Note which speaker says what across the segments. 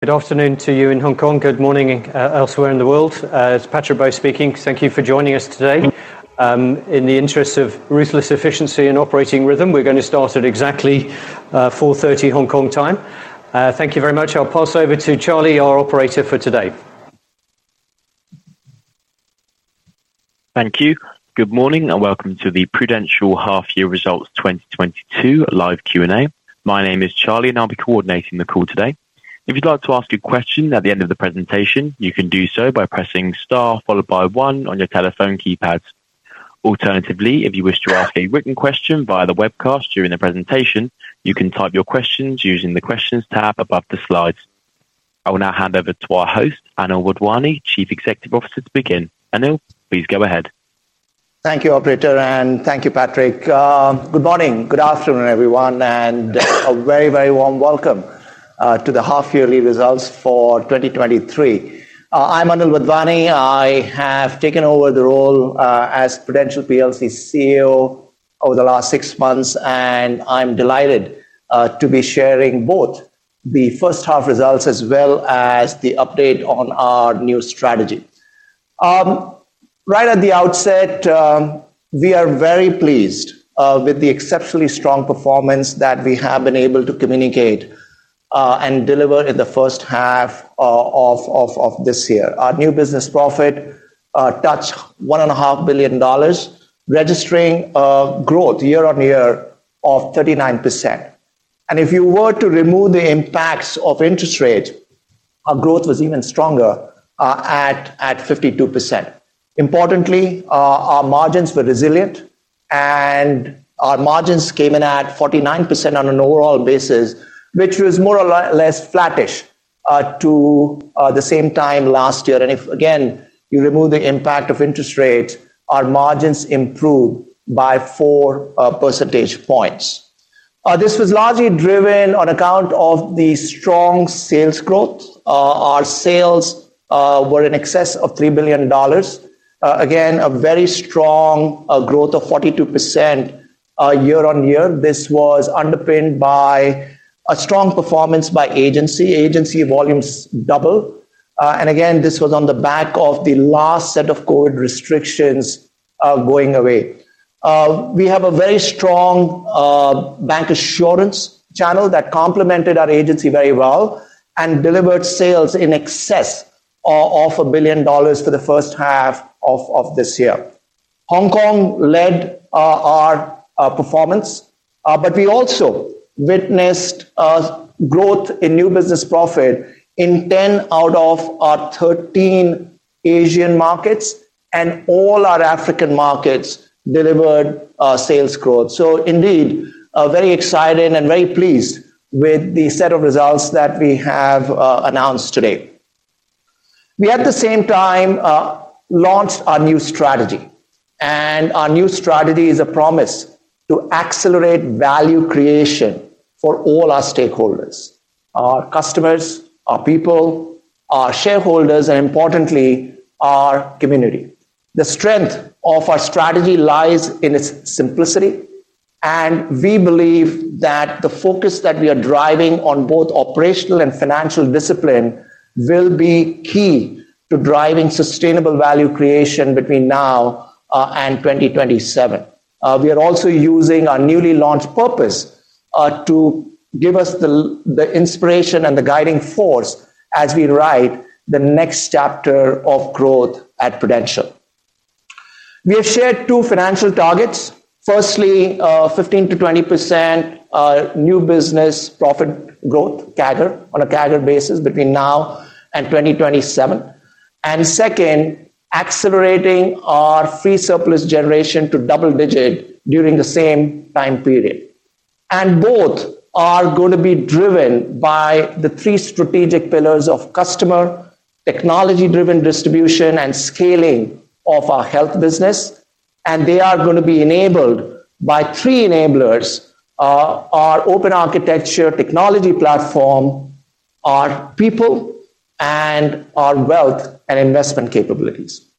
Speaker 1: Good afternoon to you in Hong Kong. Good morning, elsewhere in the world. It's Patrick Bowes speaking. Thank you for joining us today. In the interest of ruthless efficiency and operating rhythm, we're gonna start at exactly 4:30 P.M. Hong Kong time. Thank you very much. I'll pass over to Charlie, our operator for today.
Speaker 2: Thank you. Good morning, and welcome to the Prudential Half Year Results 2022 live Q&A. My name is Charlie, and I'll be coordinating the call today. If you'd like to ask a question at the end of the presentation, you can do so by pressing star followed by one on your telephone keypads. Alternatively, if you wish to ask a written question via the webcast during the presentation, you can type your questions using the Questions tab above the slides. I will now hand over to our host, Anil Wadhwani, Chief Executive Officer, to begin. Anil, please go ahead.
Speaker 3: Thank you, operator, and thank you, Patrick. Good morning, good afternoon, everyone, and a very, very warm welcome to the half-yearly results for 2023. I'm Anil Wadhwani. I have taken over the role as Prudential plc CEO over the last six months, and I'm delighted to be sharing both the first half results as well as the update on our new strategy. Right at the outset, we are very pleased with the exceptionally strong performance that we have been able to communicate and deliver in the first half of this year. Our new business profit touched $1.5 billion, registering a growth year-on-year of 39%. If you were to remove the impacts of interest rate, our growth was even stronger at 52%. Importantly, our margins were resilient, and our margins came in at 49% on an overall basis, which was more or less flattish to the same time last year. If, again, you remove the impact of interest rates, our margins improved by four percentage points. This was largely driven on account of the strong sales growth. Our sales were in excess of $3 billion. Again, a very strong growth of 42% year-on-year. This was underpinned by a strong performance by agency. Agency volumes doubled. And again, this was on the back of the last set of COVID restrictions going away. We have a very strong bancassurance channel that complemented our agency very well and delivered sales in excess of $1 billion for the first half of this year. Hong Kong led our performance, but we also witnessed a growth in new business profit in 10 out of our 13 Asian markets, and all our African markets delivered sales growth. So indeed, very excited and very pleased with the set of results that we have announced today. We, at the same time, launched our new strategy, and our new strategy is a promise to accelerate value creation for all our stakeholders, our customers, our people, our shareholders, and importantly, our community. The strength of our strategy lies in its simplicity, and we believe that the focus that we are driving on both operational and financial discipline will be key to driving sustainable value creation between now and 2027. We are also using our newly launched purpose to give us the inspiration and the guiding force as we write the next chapter of growth at Prudential. We have shared two financial targets. Firstly, 15%-20% new business profit growth CAGR, on a CAGR basis, between now and 2027, and second, accelerating our free surplus generation to double-digit during the same time period. Both are going to be driven by the three strategic pillars of customer, technology-driven distribution, and scaling of our health business. They are gonna be enabled by three enablers, our open architecture technology platform, our people, and our wealth and investment capabilities.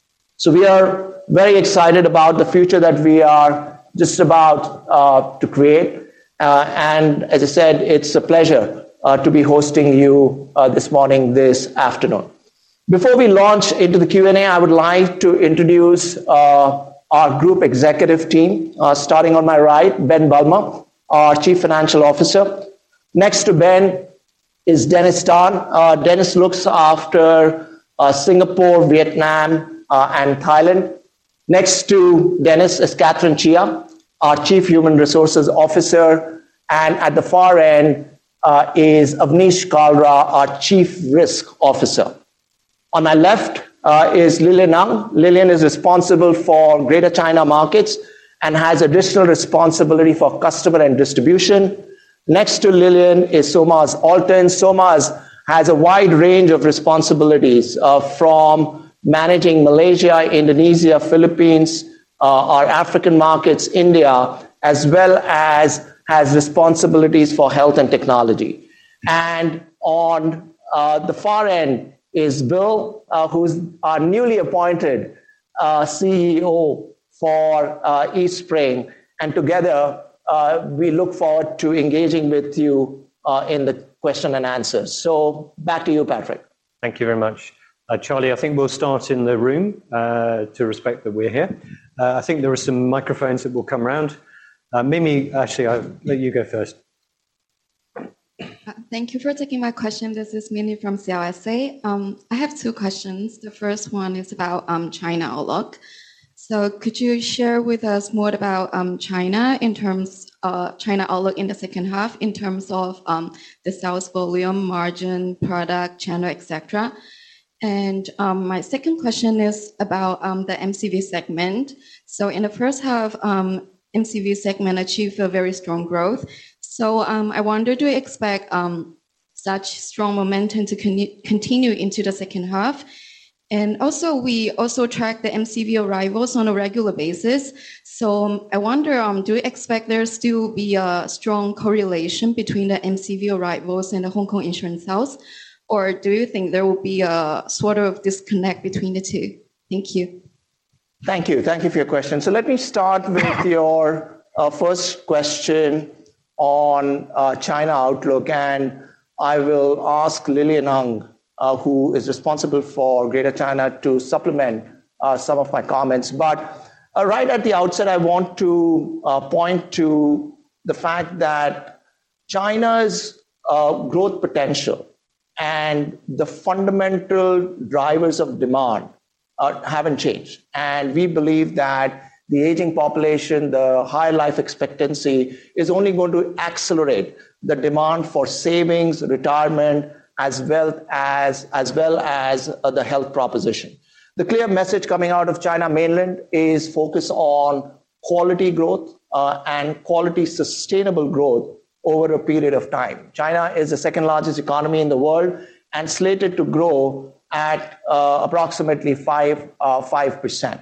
Speaker 3: We are very excited about the future that we are just about to create. As I said, it's a pleasure to be hosting you this morning, this afternoon. Before we launch into the Q&A, I would like to introduce our group executive team, starting on my right, Ben Bulmer, our Chief Financial Officer. Next to Ben is Dennis Tan. Dennis looks after Singapore, Vietnam, and Thailand. Next to Dennis is Catherine Chia, our Chief Human Resources Officer, and at the far end is Avnish Kalra, our Chief Risk Officer. On my left is Lillian Ng. Lillian is responsible for Greater China markets and has additional responsibility for customer and distribution. Next to Lillian is Solmaz Altin. Solmaz has a wide range of responsibilities from managing Malaysia, Indonesia, Philippines, our African markets, India, as well as has responsibilities for health and technology. On the far end is Bill, who's our newly appointed CEO for Eastspring. Together we look forward to engaging with you in the question and answers. Back to you, Patrick.
Speaker 1: Thank you very much. Charlie, I think we'll start in the room, to respect that we're here. I think there are some microphones that will come around. Mimi, actually, I'll let you go first.
Speaker 4: Thank you for taking my question. This is Mimi from CLSA. I have two questions. The first one is about China outlook. So could you share with us more about China in terms of China outlook in the second half, in terms of the sales volume, margin, product, channel, et cetera? And my second question is about the NBP segment. So in the first half, NBP segment achieved a very strong growth. So I wonder, do you expect such strong momentum to continue into the second half? And also, we also track the NBP arrivals on a regular basis. So I wonder, do you expect there still be a strong correlation between the NBP arrivals and the Hong Kong insurance sales? Or do you think there will be a sort of disconnect between the two? Thank you.
Speaker 3: Thank you. Thank you for your question. So let me start with your first question on China outlook, and I will ask Lillian Ng, who is responsible for Greater China, to supplement some of my comments. But right at the outset, I want to point to the fact that China's growth potential and the fundamental drivers of demand haven't changed. And we believe that the aging population, the high life expectancy, is only going to accelerate the demand for savings, retirement, as well as the health proposition. The clear message coming out of China mainland is focus on quality growth and quality sustainable growth over a period of time. China is the second largest economy in the world and slated to grow at approximately 5%.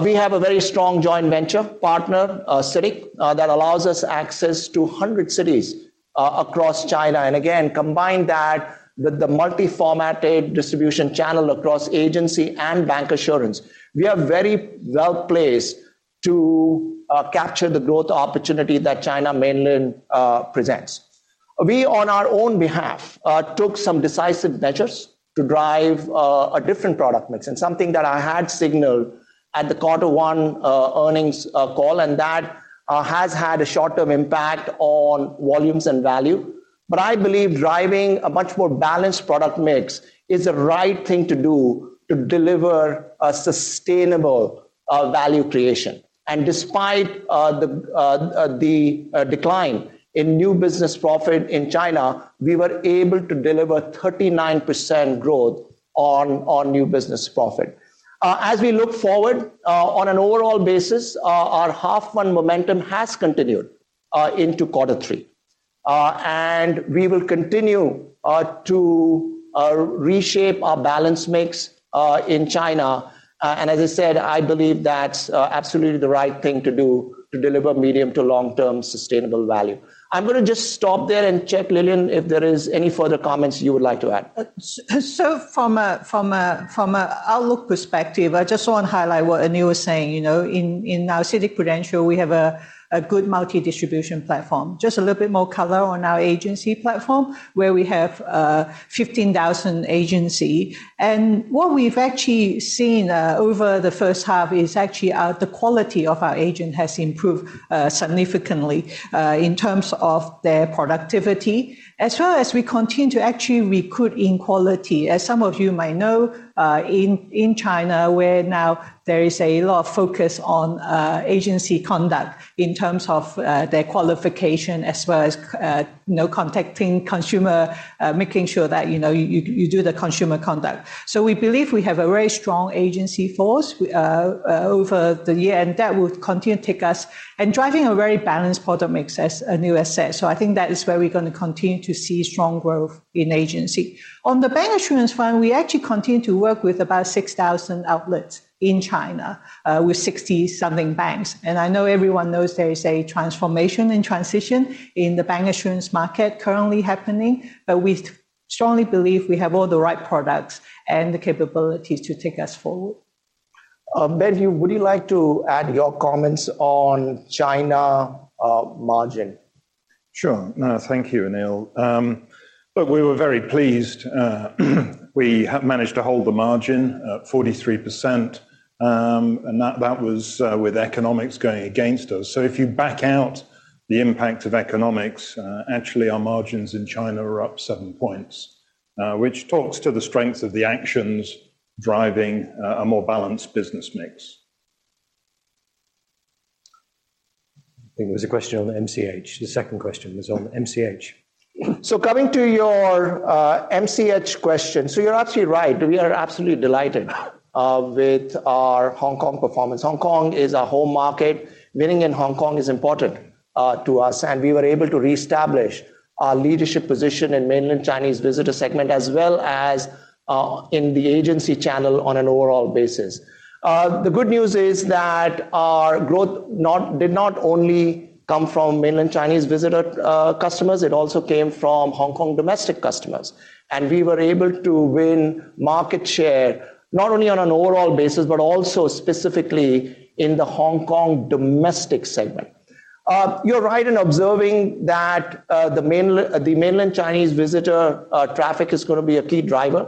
Speaker 3: We have a very strong joint venture partner, CITIC, that allows us access to 100 cities across China. And again, combine that with the multi-formatted distribution channel across agency and bancassurance. We are very well placed to capture the growth opportunity Mainland China presents. We, on our own behalf, took some decisive measures to drive a different product mix, and something that I had signaled at the quarter one earnings call, and that has had a short-term impact on volumes and value. But I believe driving a much more balanced product mix is the right thing to do to deliver a sustainable value creation. And despite the decline in new business profit in China, we were able to deliver 39% growth on new business profit. As we look forward, on an overall basis, our half one momentum has continued into quarter three. We will continue to reshape our balance mix in China. As I said, I believe that's absolutely the right thing to do to deliver medium to long-term sustainable value. I'm gonna just stop there and check, Lillian, if there is any further comments you would like to add.
Speaker 5: So from a outlook perspective, I just want to highlight what Anil was saying. You know, in our CITIC Prudential, we have a good multi-distribution platform. Just a little bit more color on our agency platform, where we have 15,000 agency. And what we've actually seen over the first half is actually the quality of our agent has improved significantly in terms of their productivity, as well as we continue to actually recruit in quality. As some of you might know, in China, where now there is a lot of focus on agency conduct in terms of their qualification, as well as no contacting consumer, making sure that, you know, you do the consumer conduct. We believe we have a very strong agency force over the year, and that will continue to take us and driving a very balanced product mix as Anil said. I think that is where we're gonna continue to see strong growth in agency. On the bancassurance front, we actually continue to work with about 6,000 outlets in China with 60-something banks. I know everyone knows there is a transformation and transition in the bancassurance market currently happening, but we strongly believe we have all the right products and the capabilities to take us forward.
Speaker 3: Matthew, would you like to add your comments on China, margin?
Speaker 6: Sure. No, thank you, Anil. Look, we were very pleased, we have managed to hold the margin at 43%, and that, that was, with economics going against us. So if you back out the impact of economics, actually, our margins in China are up seven points, which talks to the strength of the actions driving, a more balanced business mix.
Speaker 2: I think there was a question on NBP. The second question was on NBP.
Speaker 3: So coming to your NBP question. So you're actually right. We are absolutely delighted with our Hong Kong performance. Hong Kong is our home market. Winning in Hong Kong is important to us, and we were able to reestablish our leadership position in Mainland Chinese visitor segment, as well as in the agency channel on an overall basis. The good news is that our growth did not only come from Mainland Chinese visitor customers, it also came from Hong Kong domestic customers. And we were able to win market share, not only on an overall basis, but also specifically in the Hong Kong domestic segment. You're right in observing that the Mainland Chinese visitor traffic is gonna be a key driver.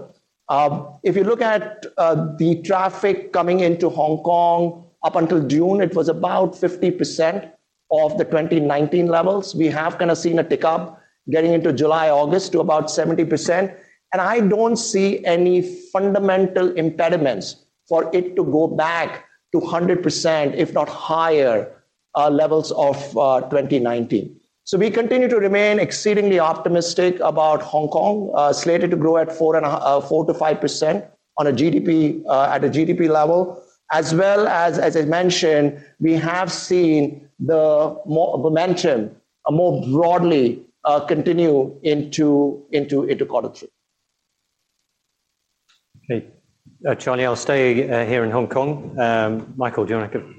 Speaker 3: If you look at the traffic coming into Hong Kong, up until June, it was about 50% of the 2019 levels. We have kind of seen a tick up getting into July, August to about 70%, and I don't see any fundamental impediments for it to go back to 100%, if not higher, levels of 2019. So we continue to remain exceedingly optimistic about Hong Kong, slated to grow at 4%-5% on a GDP at a GDP level. As well as, as I mentioned, we have seen the momentum more broadly continue into quarter three.
Speaker 7: Okay. Charlie, I'll stay here in Hong Kong. Michael, do you want to-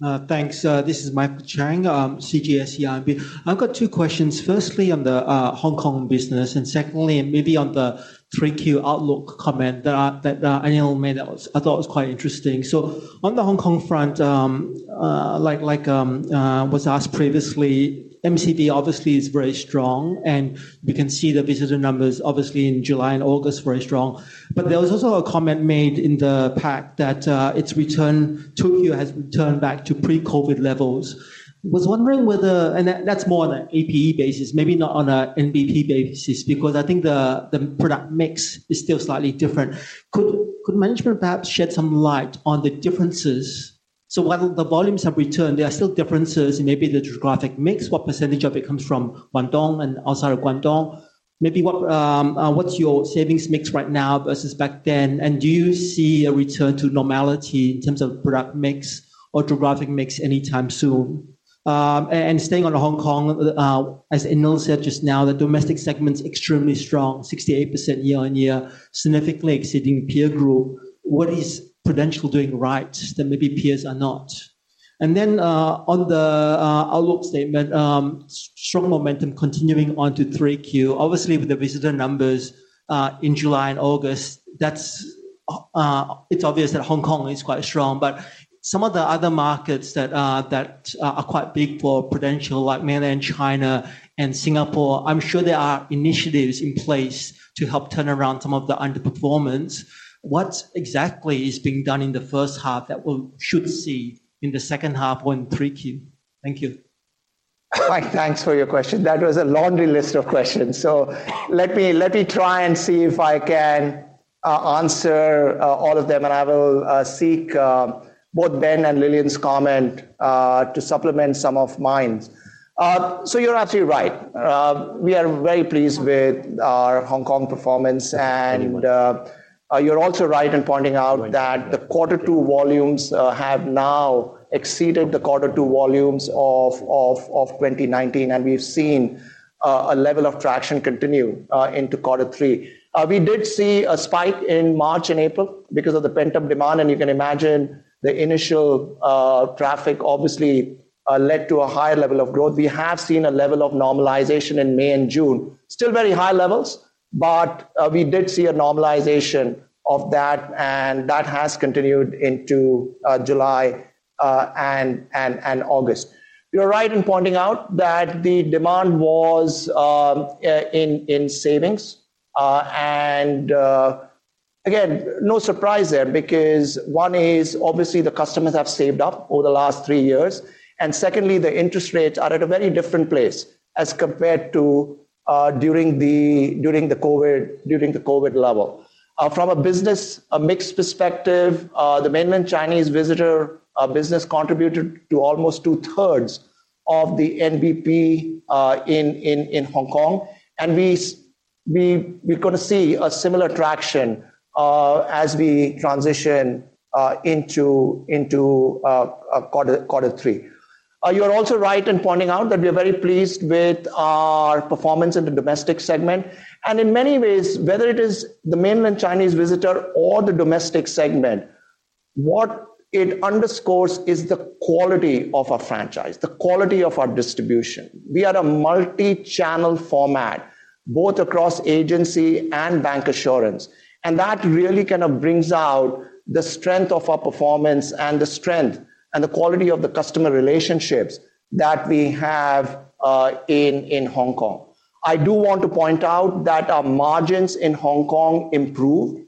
Speaker 8: Thanks. This is Michael Chang, CGSEIB. I've got two questions. Firstly, on the Hong Kong business, and secondly, and maybe on the 3Q outlook comment that, that, Anil made that was, I thought was quite interesting. So on the Hong Kong front, like, like, was asked previously, NBP obviously is very strong, and we can see the visitor numbers obviously in July and August, very strong. But there was also a comment made in the pack that, its return to queue has returned back to pre-COVID levels. Was wondering whether. And that, that's more on an APE basis, maybe not on a NBP basis, because I think the product mix is still slightly different. Could management perhaps shed some light on the differences? So while the volumes have returned, there are still differences in maybe the geographic mix, what percentage of it comes from Guangdong and outside of Guangdong? Maybe what's your savings mix right now versus back then? And do you see a return to normality in terms of product mix or geographic mix anytime soon? And staying on Hong Kong, as Anil said just now, the domestic segment's extremely strong, 68% year-on-year, significantly exceeding peer group. What is Prudential doing right that maybe peers are not? And then, on the outlook statement, strong momentum continuing on to 3Q. Obviously, with the visitor numbers in July and August, that's, it's obvious that Hong Kong is quite strong, but some of the other markets that are quite big for Prudential, Mainland China and Singapore, I'm sure there are initiatives in place to help turn around some of the underperformance. What exactly is being done in the first half that we'll should see in the second half on 3Q? Thank you.
Speaker 3: Thanks for your question. That was a laundry list of questions. So let me try and see if I can answer all of them, and I will seek both Ben and Lillian's comment to supplement some of mine. So you're absolutely right. We are very pleased with our Hong Kong performance, and you're also right in pointing out that the quarter two volumes have now exceeded the quarter two volumes of 2019, and we've seen a level of traction continue into quarter three. We did see a spike in March and April because of the pent-up demand, and you can imagine the initial traffic obviously led to a higher level of growth. We have seen a level of normalization in May and June. Still very high levels, but we did see a normalization of that, and that has continued into July and August. You're right in pointing out that the demand was in savings. And again, no surprise there, because one is obviously the customers have saved up over the last three years, and secondly, the interest rates are at a very different place as compared to during the COVID level. From a business mix perspective, the Mainland Chinese visitor business contributed to almost two-thirds of the NBP in Hong Kong, and we're gonna see a similar traction as we transition into quarter three. You're also right in pointing out that we are very pleased with our performance in the domestic segment. In many ways, whether it is the Mainland Chinese visitor or the domestic segment, what it underscores is the quality of our franchise, the quality of our distribution. We are a multi-channel format, both across agency and bancassurance, and that really kind of brings out the strength of our performance and the strength and the quality of the customer relationships that we have in Hong Kong. I do want to point out that our margins in Hong Kong improved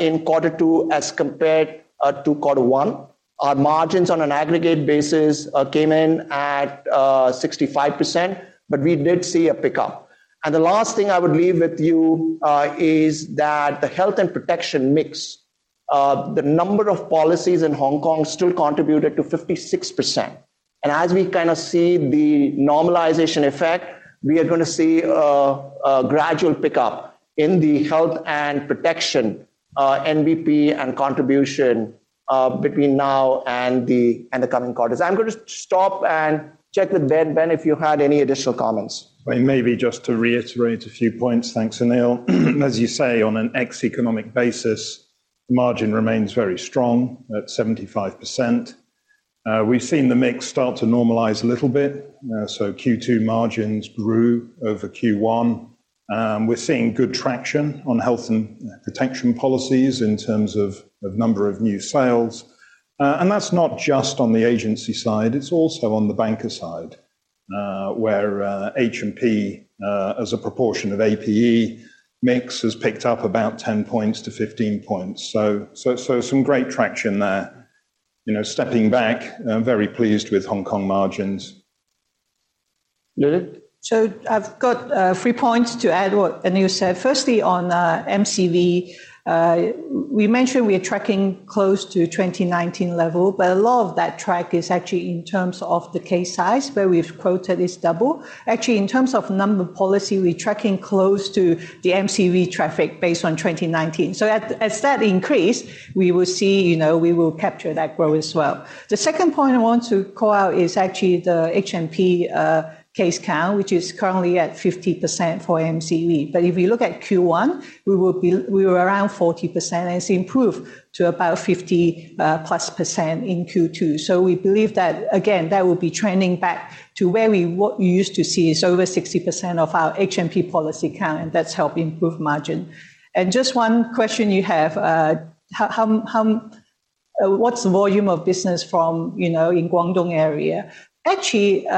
Speaker 3: in quarter two as compared to quarter one. Our margins on an aggregate basis came in at 65%, but we did see a pickup. The last thing I would leave with you, is that the health and protection mix, the number of policies in Hong Kong still contributed to 56%. As we kinda see the normalization effect, we are gonna see a gradual pickup in the health and protection, NBP and contribution, between now and the coming quarters. I'm going to stop and check with Ben. Ben, if you had any additional comments.
Speaker 7: Well, maybe just to reiterate a few points. Thanks, Anil. As you say, on an ex-economic basis, the margin remains very strong at 75%. We've seen the mix start to normalize a little bit, so Q2 margins grew over Q1. We're seeing good traction on health and protection policies in terms of number of new sales. And that's not just on the agency side, it's also on the banca side.
Speaker 9: Where H&P, as a proportion of APE mix, has picked up about 10-15 points. So, some great traction there. You know, stepping back, I'm very pleased with Hong Kong margins.
Speaker 3: Lily?
Speaker 5: So I've got three points to add what Anil said. Firstly, on NBP, we mentioned we are tracking close to 2019 level, but a lot of that track is actually in terms of the case size, where we've quoted is double. Actually, in terms of number policy, we're tracking close to the NBP traffic based on 2019. So as that increase, we will see, you know, we will capture that growth as well. The second point I want to call out is actually the H&P case count, which is currently at 50% for NBP. But if you look at Q1, we were around 40%, and it's improved to about 50+ % in Q2. So we believe that, again, that will be trending back to where we—what you used to see is over 60% of our H&P policy count, and that's helped improve margin. And just one question you have, how, what's the volume of business from, you know, in Guangdong area? Actually,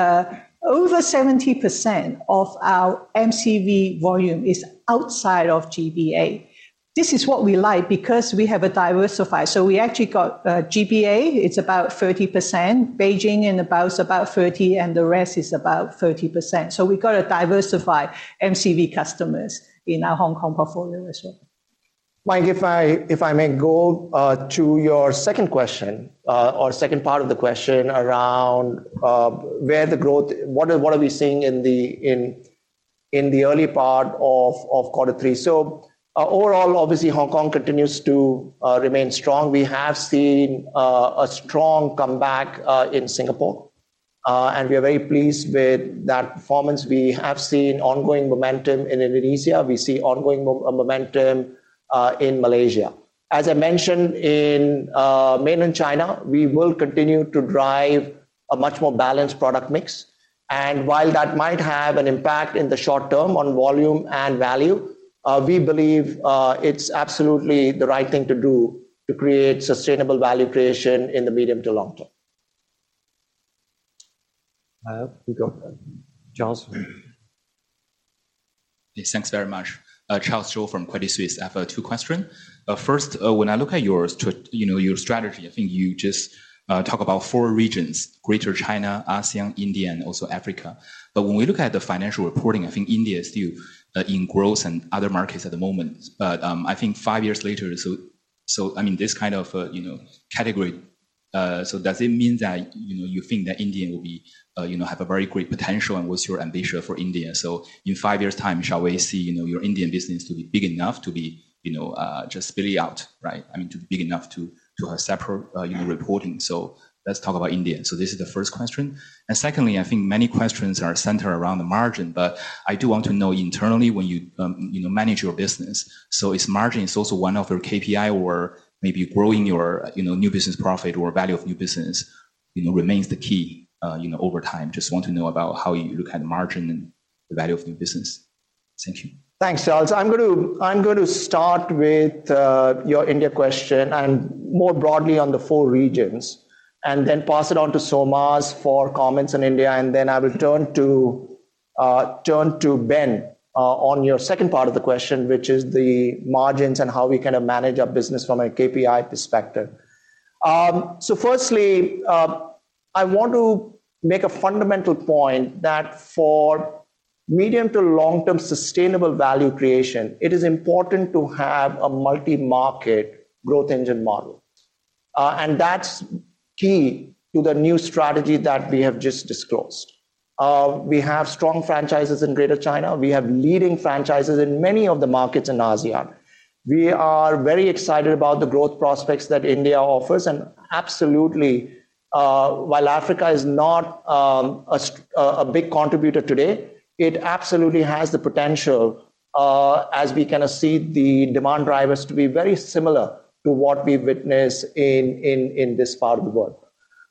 Speaker 5: over 70% of our NBP volume is outside of GBA. This is what we like because we have a diversify. So we actually got, GBA, it's about 30%, Beijing and about, is about 30, and the rest is about 30%. So we've got a diversified NBP customers in our Hong Kong portfolio as well.
Speaker 3: Mike, if I may go to your second question or second part of the question around where the growth—what are we seeing in the early part of quarter three? So, overall, obviously, Hong Kong continues to remain strong. We have seen a strong comeback in Singapore, and we are very pleased with that performance. We have seen ongoing momentum in Indonesia. We see ongoing momentum in Malaysia. As I mentioned Mainland China, we will continue to drive a much more balanced product mix, and while that might have an impact in the short term on volume and value, we believe it's absolutely the right thing to do to create sustainable value creation in the medium to long term.
Speaker 9: We go, Charles.
Speaker 10: Yes, thanks very much. Charles Zhou from Credit Suisse. I have two questions. First, when I look at, you know, your strategy, I think you just talk about four regions: Greater China, ASEAN, India, and also Africa. But when we look at the financial reporting, I think India is still in growth and other markets at the moment. But I think five years later, so I mean, this kind of category, so does it mean that you know, you think that India will be you know, have a very great potential, and what's your ambition for India? So in five years' time, shall we see you know, your Indian business to be big enough to be you know, just split out, right? I mean, to be big enough to have separate, you know, reporting. So let's talk about India. So this is the first question. And secondly, I think many questions are centered around the margin, but I do want to know internally when you, you know, manage your business, so is margin also one of your KPI or maybe growing your, you know, new business profit or value of new business, you know, remains the key, over time? Just want to know about how you look at margin and the value of new business. Thank you.
Speaker 3: Thanks, Charles. I'm going to start with your India question and more broadly on the four regions, and then pass it on to Solmaz for comments on India, and then I will turn to Ben on your second part of the question, which is the margins and how we kinda manage our business from a KPI perspective. So firstly, I want to make a fundamental point that for medium to long-term sustainable value creation, it is important to have a multi-market growth engine model. That's key to the new strategy that we have just disclosed. We have strong franchises in Greater China. We have leading franchises in many of the markets in ASEAN. We are very excited about the growth prospects that India offers, and absolutely, while Africa is not a big contributor today, it absolutely has the potential, as we kinda see the demand drivers to be very similar to what we witness in this part of the world.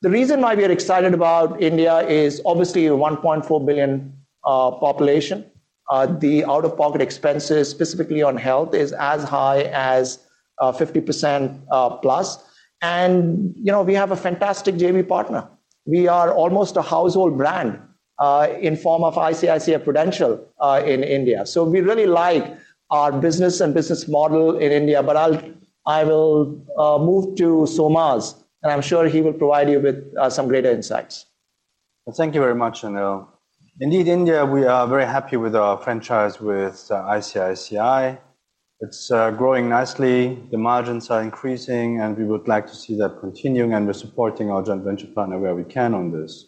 Speaker 3: The reason why we are excited about India is obviously a 1.4 billion population. The out-of-pocket expenses, specifically on health, is as high as 50% plus. You know, we have a fantastic JV partner. We are almost a household brand in form of ICICI Prudential in India. So we really like our business and business model in India, but I will move to Solmaz's, and I'm sure he will provide you with some greater insights.
Speaker 9: Well, thank you very much, Anil. Indeed, India, we are very happy with our franchise with ICICI. It's growing nicely, the margins are increasing, and we would like to see that continuing, and we're supporting our joint venture partner where we can on this.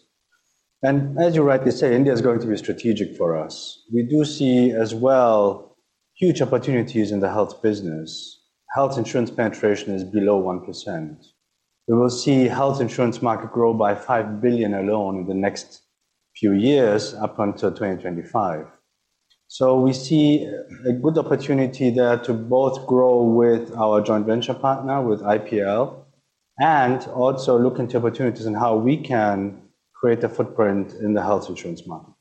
Speaker 9: And as you rightly say, India is going to be strategic for us. We do see as well huge opportunities in the health business. Health insurance penetration is below 1%. We will see health insurance market grow by $5 billion alone in the next few years, up until 2025. So we see a good opportunity there to both grow with our joint venture partner, with IPL, and also look into opportunities on how we can create a footprint in the health insurance market.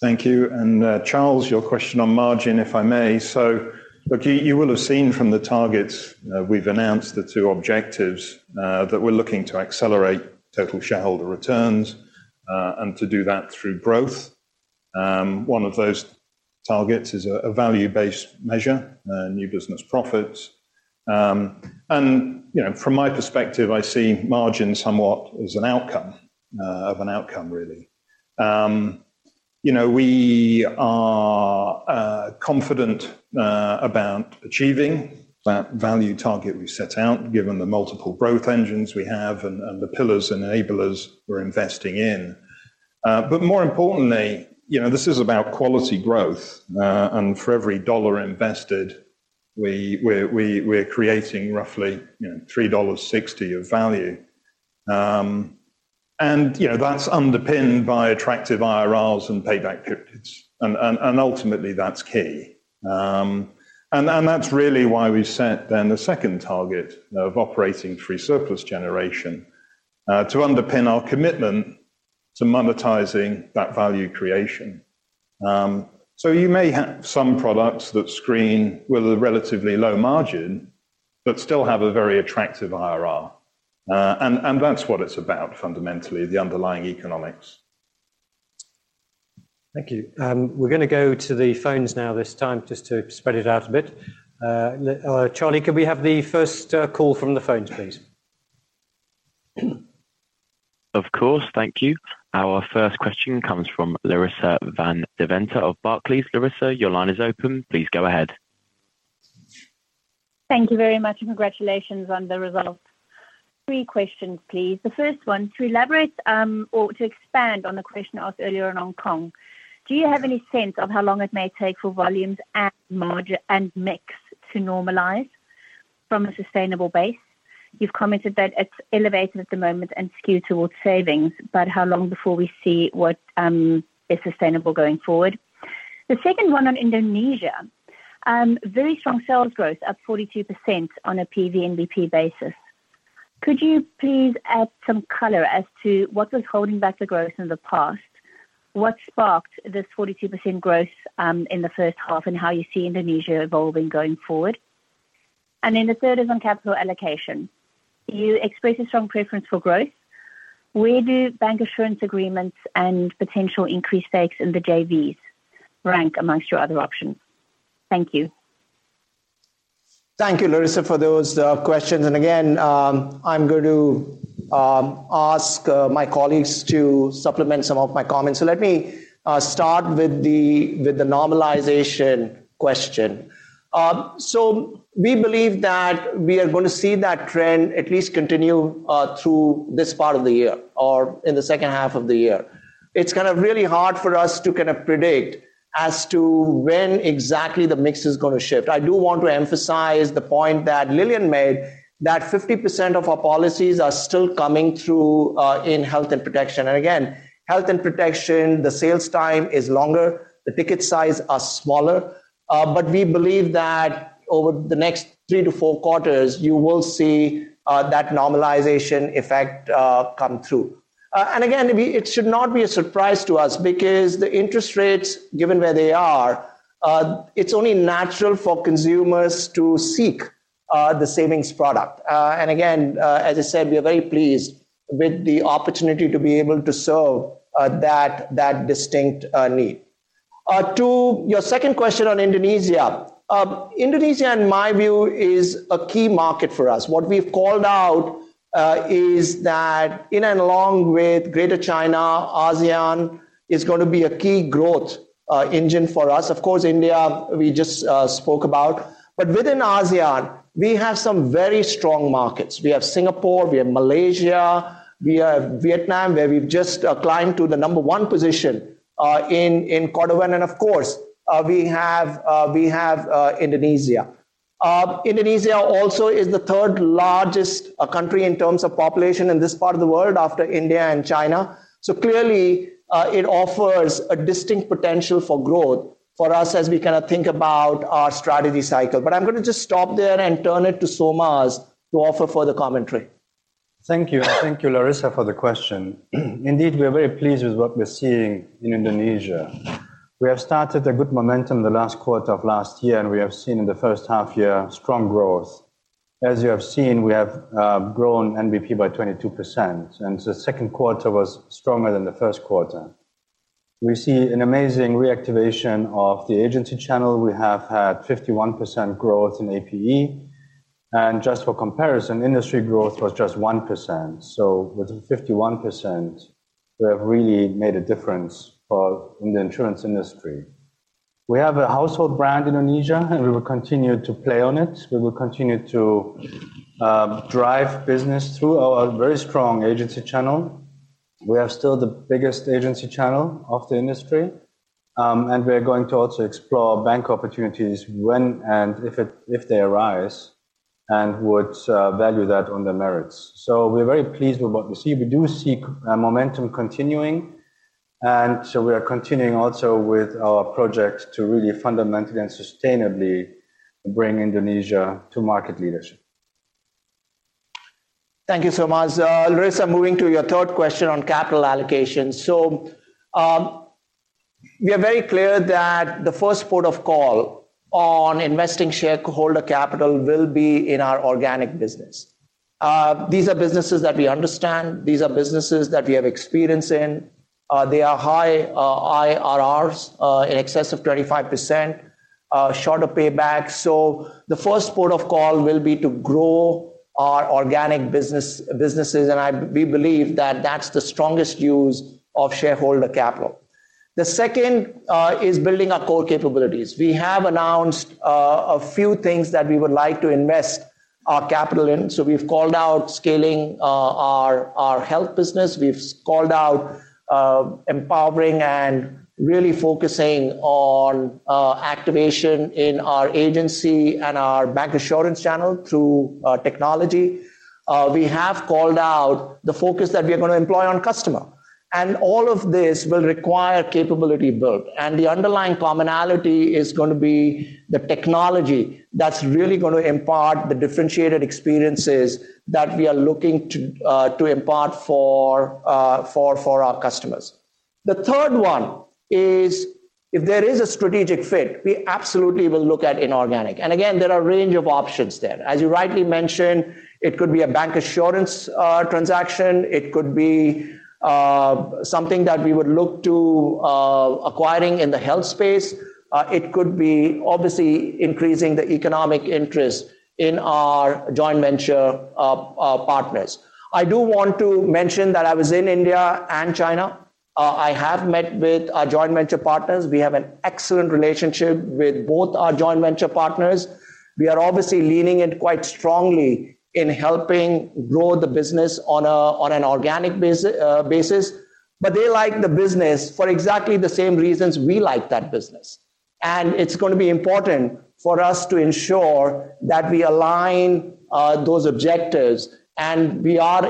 Speaker 7: Thank you. And, Charles, your question on margin, if I may. So look, you will have seen from the targets we've announced the 2 objectives that we're looking to accelerate total shareholder returns and to do that through growth. One of those targets is a value-based measure, new business profits. And, you know, from my perspective, I see margin somewhat as an outcome of an outcome, really. You know, we are confident about achieving that value target we set out, given the multiple growth engines we have and the pillars enablers we're investing in. But more importantly, you know, this is about quality growth and for every $1 invested, we're creating roughly $3.60 of value. You know, that's underpinned by attractive IRRs and payback periods, and ultimately, that's key. And then that's really why we set the second target of operating free surplus generation to underpin our commitment to monetizing that value creation. So you may have some products that screen with a relatively low margin, but still have a very attractive IRR. And that's what it's about, fundamentally, the underlying economics.
Speaker 1: Thank you. We're gonna go to the phones now this time, just to spread it out a bit. Charlie, could we have the first call from the phones, please?
Speaker 2: Of course. Thank you. Our first question comes from Larissa van Deventer of Barclays. Larissa, your line is open. Please go ahead.
Speaker 11: Thank you very much, and congratulations on the results. Three questions, please. The first one: to elaborate, or to expand on the question asked earlier on Hong Kong, do you have any sense of how long it may take for volumes and margin and mix to normalize from a sustainable base? You've commented that it's elevated at the moment and skewed towards savings, but how long before we see what, is sustainable going forward? The second one on Indonesia. Very strong sales growth, up 42% on a PVNBP basis. Could you please add some color as to what was holding back the growth in the past? What sparked this 42% growth, in the first half, and how you see Indonesia evolving going forward? And then the third is on capital allocation. You expressed a strong preference for growth. Where do bancassurance agreements and potential increased stakes in the JVs rank amongst your other options? Thank you.
Speaker 3: Thank you, Larissa, for those questions. And again, I'm going to ask my colleagues to supplement some of my comments. So let me start with the normalization question. So we believe that we are going to see that trend at least continue through this part of the year or in the second half of the year. It's kind of really hard for us to kind of predict as to when exactly the mix is gonna shift. I do want to emphasize the point that Lilian made, that 50% of our policies are still coming through in health and protection. And again, health and protection, the sales time is longer, the ticket size are smaller. But we believe that over the next 3-4 quarters, you will see that normalization effect come through. And again, it should not be a surprise to us because the interest rates, given where they are, it's only natural for consumers to seek the savings product. And again, as I said, we are very pleased with the opportunity to be able to serve that distinct need. To your second question on Indonesia. Indonesia, in my view, is a key market for us. What we've called out is that in and along with Greater China, ASEAN is going to be a key growth engine for us. Of course, India, we just spoke about. But within ASEAN, we have some very strong markets. We have Singapore, we have Malaysia, we have Vietnam, where we've just climbed to the number one position in the country, and of course, we have Indonesia. Indonesia also is the third largest country in terms of population in this part of the world, after India and China. So clearly, it offers a distinct potential for growth for us as we kinda think about our strategy cycle. But I'm gonna just stop there and turn it to Solmaz to offer further commentary.
Speaker 12: Thank you. And thank you, Larissa, for the question. Indeed, we are very pleased with what we're seeing in Indonesia. We have started a good momentum in the last quarter of last year, and we have seen in the first half year, strong growth. As you have seen, we have grown NBP by 22%, and the second quarter was stronger than the first quarter. We see an amazing reactivation of the agency channel. We have had 51% growth in APE. And just for comparison, industry growth was just 1%. So with 51%, we have really made a difference in the insurance industry. We have a household brand in Indonesia, and we will continue to play on it. We will continue to drive business through our very strong agency channel. We are still the biggest agency channel of the industry, and we are going to also explore bank opportunities when and if they arise, and would value that on the merits. So we're very pleased with what we see. We do see a momentum continuing, and so we are continuing also with our project to really fundamentally and sustainably bring Indonesia to market leadership.
Speaker 3: Thank you so much. Larissa, moving to your third question on capital allocation. So, we are very clear that the first port of call on investing shareholder capital will be in our organic business. These are businesses that we understand, these are businesses that we have experience in, they are high IRRs in excess of 25%, shorter payback. So the first port of call will be to grow our organic business, businesses, and we believe that that's the strongest use of shareholder capital. The second is building our core capabilities. We have announced a few things that we would like to invest our capital in. So we've called out scaling our health business. We've called out empowering and really focusing on activation in our agency and our bancassurance channel through technology. We have called out the focus that we are gonna employ on customer. And all of this will require capability build, and the underlying commonality is gonna be the technology that's really gonna impart the differentiated experiences that we are looking to to impart for, for, for our customers. The third one is if there is a strategic fit, we absolutely will look at inorganic. And again, there are a range of options there. As you rightly mentioned, it could be a bancassurance transaction, it could be something that we would look to acquiring in the health space. It could be obviously increasing the economic interest in our joint venture partners. I do want to mention that I was in India and China. I have met with our joint venture partners. We have an excellent relationship with both our joint venture partners. We are obviously leaning in quite strongly in helping grow the business on an organic basis, but they like the business for exactly the same reasons we like that business. And it's gonna be important for us to ensure that we align those objectives, and we are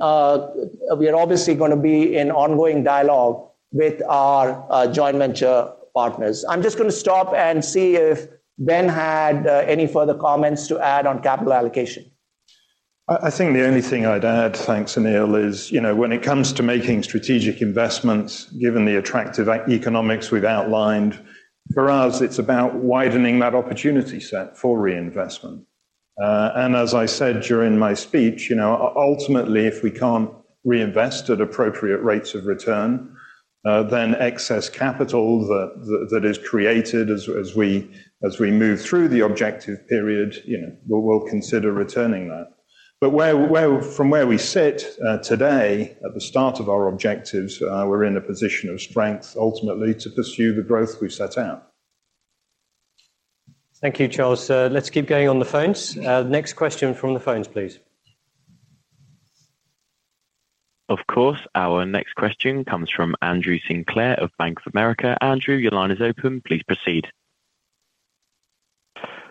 Speaker 3: obviously gonna be in ongoing dialogue with our joint venture partners. I'm just gonna stop and see if Ben had any further comments to add on capital allocation.
Speaker 12: I think the only thing I'd add, thanks, Anil, is, you know, when it comes to making strategic investments, given the attractive economics we've outlined, for us, it's about widening that opportunity set for reinvestment. And as I said during my speech, you know, ultimately, if we can't reinvest at appropriate rates of return, then excess capital that is created as we move through the objective period, you know, we'll consider returning that. But where, from where we sit, today, at the start of our objectives, we're in a position of strength ultimately to pursue the growth we've set out.
Speaker 1: Thank you, Charles. Let's keep going on the phones. Next question from the phones, please.
Speaker 2: Of course. Our next question comes from Andrew Sinclair of Bank of America. Andrew, your line is open. Please proceed.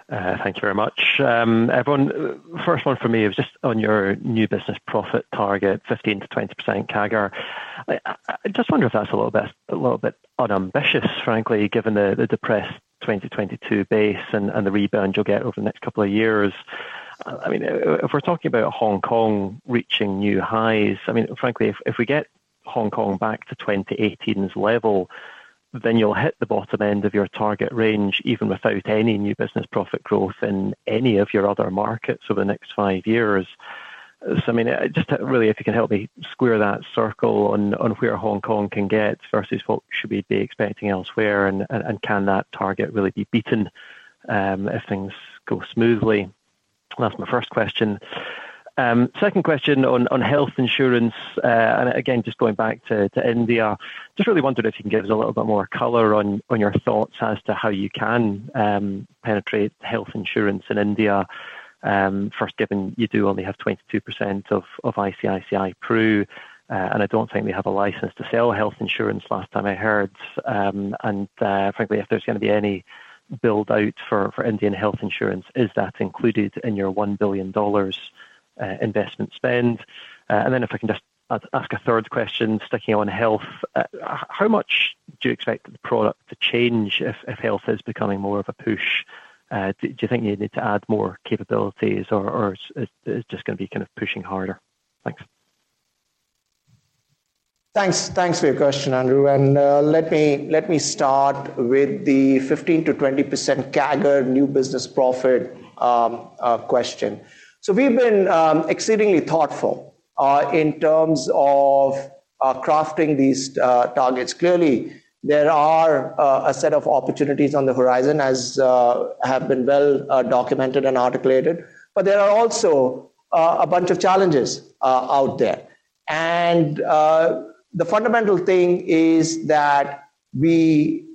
Speaker 13: Thank you very much. Everyone, first one for me is just on your new business profit target, 15%-20% CAGR. I just wonder if that's a little bit, a little bit unambitious, frankly, given the depressed 2022 base and the rebound you'll get over the next couple of years. I mean, if we're talking about Hong Kong reaching new highs, I mean, frankly, if we get Hong Kong back to 2018's level, then you'll hit the bottom end of your target range, even without any new business profit growth in any of your other markets over the next five years. So, I mean, just really, if you can help me square that circle on where Hong Kong can get versus what should we be expecting elsewhere, and can that target really be beaten, if things go smoothly? That's my first question. Second question on health insurance, and again, just going back to India. Just really wondered if you can give us a little bit more color on your thoughts as to how you can penetrate health insurance in India. First, given you do only have 22% of ICICI Pru, and I don't think we have a license to sell health insurance last time I heard. And frankly, if there's gonna be any build-out for Indian health insurance, is that included in your $1 billion investment spend? And then, if I can just ask a third question, sticking on health. How much do you expect the product to change if health is becoming more of a push? Do you think you need to add more capabilities or is it just gonna be kind of pushing harder? Thanks.
Speaker 3: Thanks. Thanks for your question, Andrew, and let me start with the 15%-20% CAGR new business profit question. So we've been exceedingly thoughtful in terms of crafting these targets. Clearly, there are a set of opportunities on the horizon, as have been well documented and articulated, but there are also a bunch of challenges out there. The fundamental thing is that we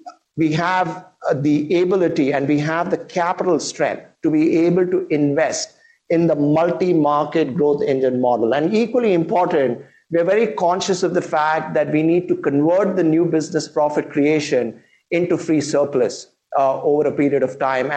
Speaker 3: have the ability and we have the capital strength to be able to invest in the multi-market growth engine model. Equally important, we are very conscious of the fact that we need to convert the new business profit creation into free surplus over a period of time.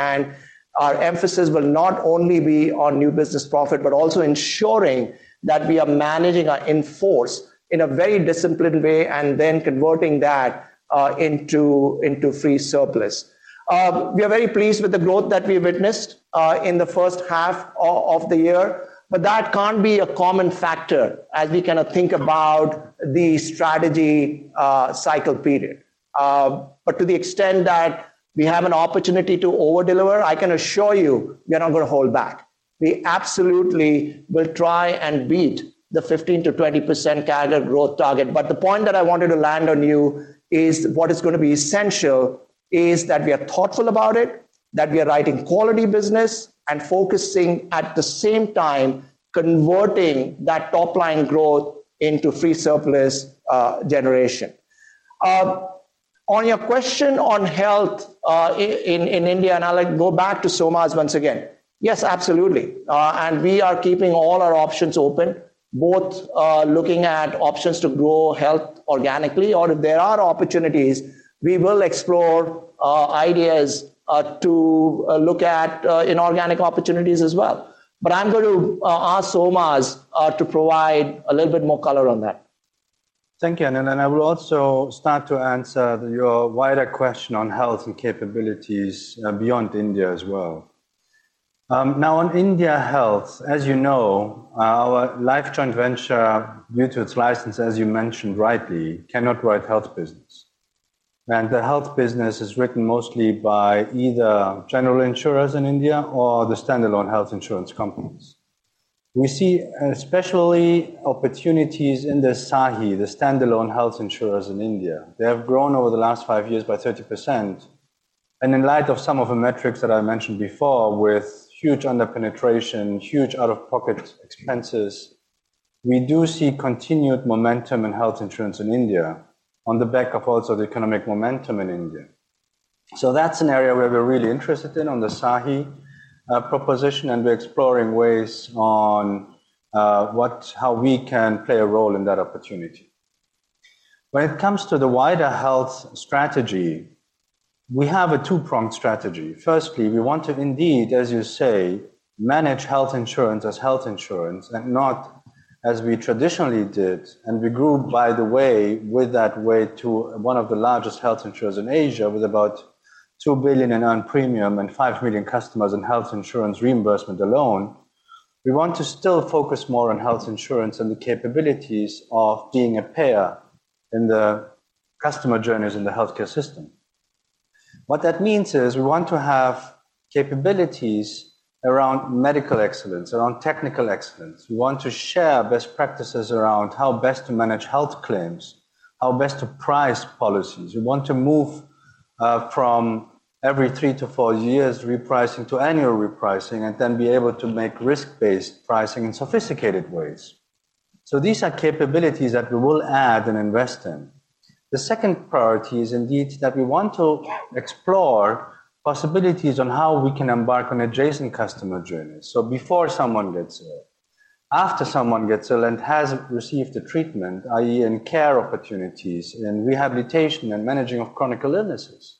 Speaker 3: Our emphasis will not only be on new business profit, but also ensuring that we are managing our in-force in a very disciplined way and then converting that into free surplus. We are very pleased with the growth that we've witnessed in the first half of the year, but that can't be a common factor as we kind of think about the strategy cycle period. But to the extent that we have an opportunity to over-deliver, I can assure you we are not gonna hold back. We absolutely will try and beat the 15%-20% CAGR growth target. But the point that I wanted to land on you is what is gonna be essential is that we are thoughtful about it, that we are writing quality business and focusing at the same time, converting that top-line growth into free surplus generation. On your question on health in India, and I'll, like, go back to Solmaz once again. Yes, absolutely. And we are keeping all our options open, both looking at options to grow health organically, or if there are opportunities, we will explore ideas to look at inorganic opportunities as well. But I'm going to ask Solmaz to provide a little bit more color on that.
Speaker 9: Thank you, Anil, and I will also start to answer your wider question on health and capabilities beyond India as well. Now, on India health, as you know, our Life joint venture, due to its license, as you mentioned rightly, cannot write health business. The health business is written mostly by either general insurers in India or the standalone health insurance companies. We see especially opportunities in the SAHI, the standalone health insurers in India. They have grown over the last five years by 30%, and in light of some of the metrics that I mentioned before, with huge under-penetration, huge out-of-pocket expenses, we do see continued momentum in health insurance in India on the back of also the economic momentum in India. So that's an area where we're really interested in, on the SAHI proposition, and we're exploring ways on how we can play a role in that opportunity. When it comes to the wider health strategy, we have a two-pronged strategy. Firstly, we want to indeed, as you say, manage health insurance as health insurance and not as we traditionally did. And we grew, by the way, with that way to one of the largest health insurers in Asia, with about $2 billion in earned premium and 5 million customers in health insurance reimbursement alone. We want to still focus more on health insurance and the capabilities of being a payer in the customer journeys in the healthcare system. What that means is we want to have capabilities around medical excellence, around technical excellence. We want to share best practices around how best to manage health claims, how best to price policies. We want to move from every three to four years repricing to annual repricing, and then be able to make risk-based pricing in sophisticated ways. So these are capabilities that we will add and invest in. The second priority is indeed that we want to explore possibilities on how we can embark on adjacent customer journeys. So before someone gets ill, after someone gets ill and has received the treatment, i.e., in care opportunities, in rehabilitation and managing of chronic illnesses.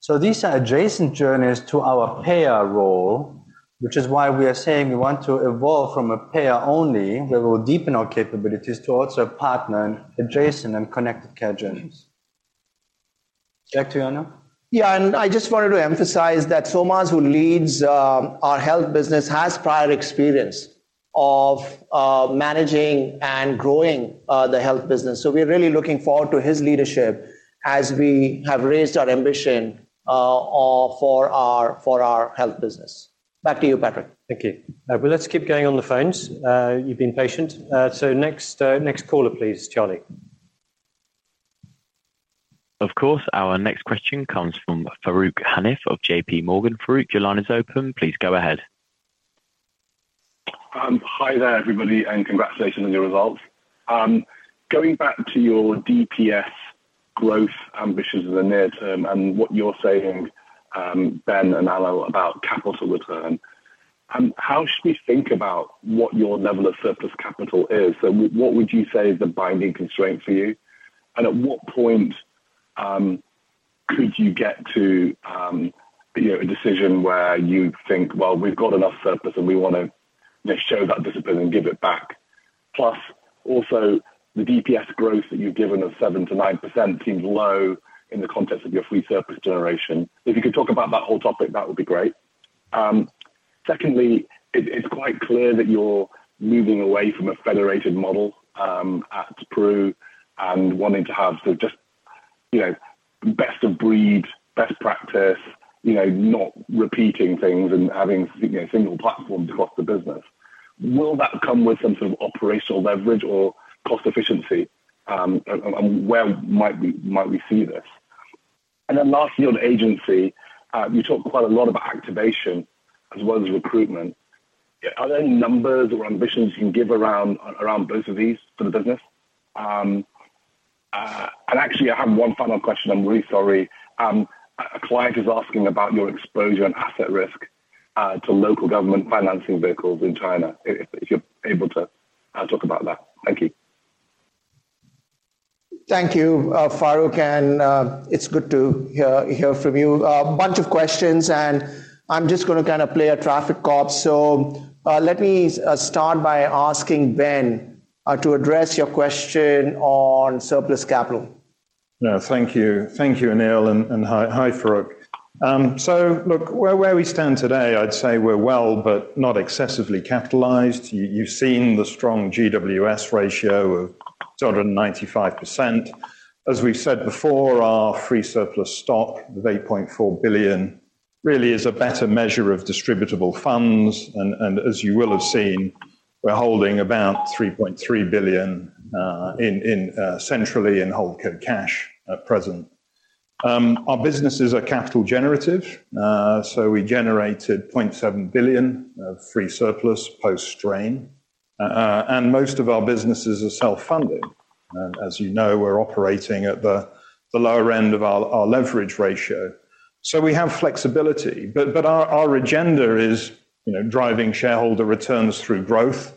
Speaker 9: So these are adjacent journeys to our payer role, which is why we are saying we want to evolve from a payer only, where we'll deepen our capabilities, to also a partner in adjacent and connected care journeys. Back to you, Anil.
Speaker 3: Yeah, and I just wanted to emphasize that Solmaz, who leads our health business, has prior experience of managing and growing the health business. So we're really looking forward to his leadership as we have raised our ambition for our health business. Back to you, Patrick.
Speaker 1: Thank you. Well, let's keep going on the phones. You've been patient. So next, next caller, please, Charlie.
Speaker 2: Of course. Our next question comes from Farooq Hanif of JP Morgan. Farooq, your line is open. Please go ahead.
Speaker 14: Hi there, everybody, and congratulations on your results. Going back to your DPS growth ambitions in the near term and what you're saying, Ben and Anil, about capital return, how should we think about what your level of surplus capital is? So what would you say is the binding constraint for you? And at what point could you get to, you know, a decision where you'd think, well, we've got enough surplus, and we wanna just show that discipline and give it back? Plus, also, the DPS growth that you've given of 7%-9% seems low in the context of your free surplus generation. If you could talk about that whole topic, that would be great. Secondly, it's quite clear that you're moving away from a federated model at Pru, and wanting to have just, you know, best of breed, best practice, you know, not repeating things and having, you know, single platforms across the business. Will that come with some sort of operational leverage or cost efficiency? And where might we see this? And then lastly, on agency, you talked quite a lot about activation as well as recruitment. Are there any numbers or ambitions you can give around both of these for the business? And actually, I have one final question. I'm really sorry. A client is asking about your exposure and asset risk to local government financing vehicles in China, if you're able to talk about that. Thank you.
Speaker 3: Thank you, Farooq, and it's good to hear from you. A bunch of questions, and I'm just gonna kinda play a traffic cop. So, let me start by asking Ben to address your question on surplus capital.
Speaker 7: No, thank you. Thank you, Anil, and hi, Farooq. So look, where we stand today, I'd say we're well, but not excessively capitalized. You've seen the strong GWS ratio of 295%. As we've said before, our free surplus stock of $8.4 billion really is a better measure of distributable funds, and as you will have seen, we're holding about $3.3 billion in centrally in holdco cash at present. Our businesses are capital generative, so we generated $0.7 billion of free surplus post-strain. And most of our businesses are self-funded. And as you know, we're operating at the lower end of our leverage ratio. So we have flexibility, but our agenda is, you know, driving shareholder returns through growth,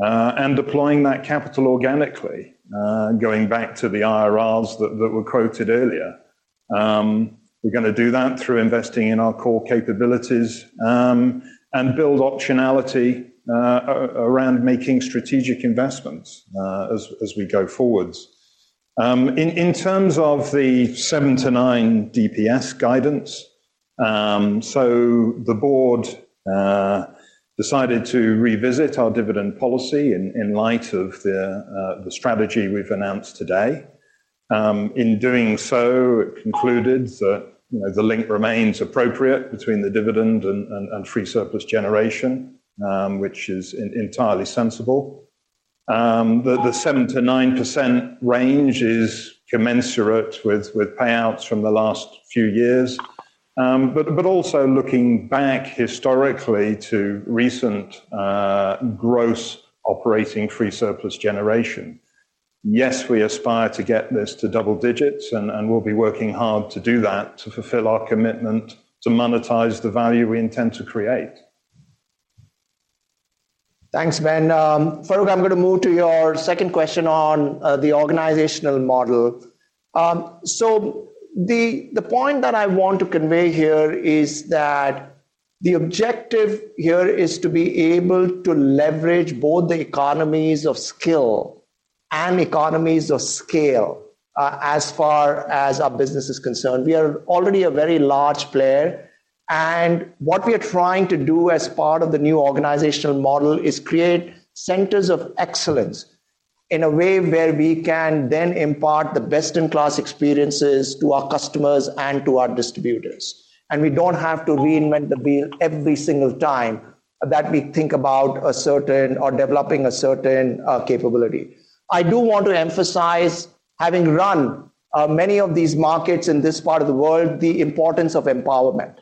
Speaker 7: and deploying that capital organically, going back to the IRRs that were quoted earlier. We're gonna do that through investing in our core capabilities, and build optionality, around making strategic investments, as we go forwards. In terms of the 7-9 DPS guidance, the board decided to revisit our dividend policy in light of the strategy we've announced today. In doing so, it concluded that, you know, the link remains appropriate between the dividend and free surplus generation, which is entirely sensible. The 7%-9% range is commensurate with payouts from the last few years. But also looking back historically to recent gross operating free surplus generation. Yes, we aspire to get this to double digits, and we'll be working hard to do that to fulfill our commitment to monetize the value we intend to create.
Speaker 3: Thanks, Ben. Farooq, I'm gonna move to your second question on the organizational model. So the point that I want to convey here is that the objective here is to be able to leverage both the economies of skill and economies of scale as far as our business is concerned. We are already a very large player, and what we are trying to do as part of the new organizational model is create centers of excellence in a way where we can then impart the best-in-class experiences to our customers and to our distributors. We don't have to reinvent the wheel every single time that we think about developing a certain capability. I do want to emphasize, having run many of these markets in this part of the world, the importance of empowerment.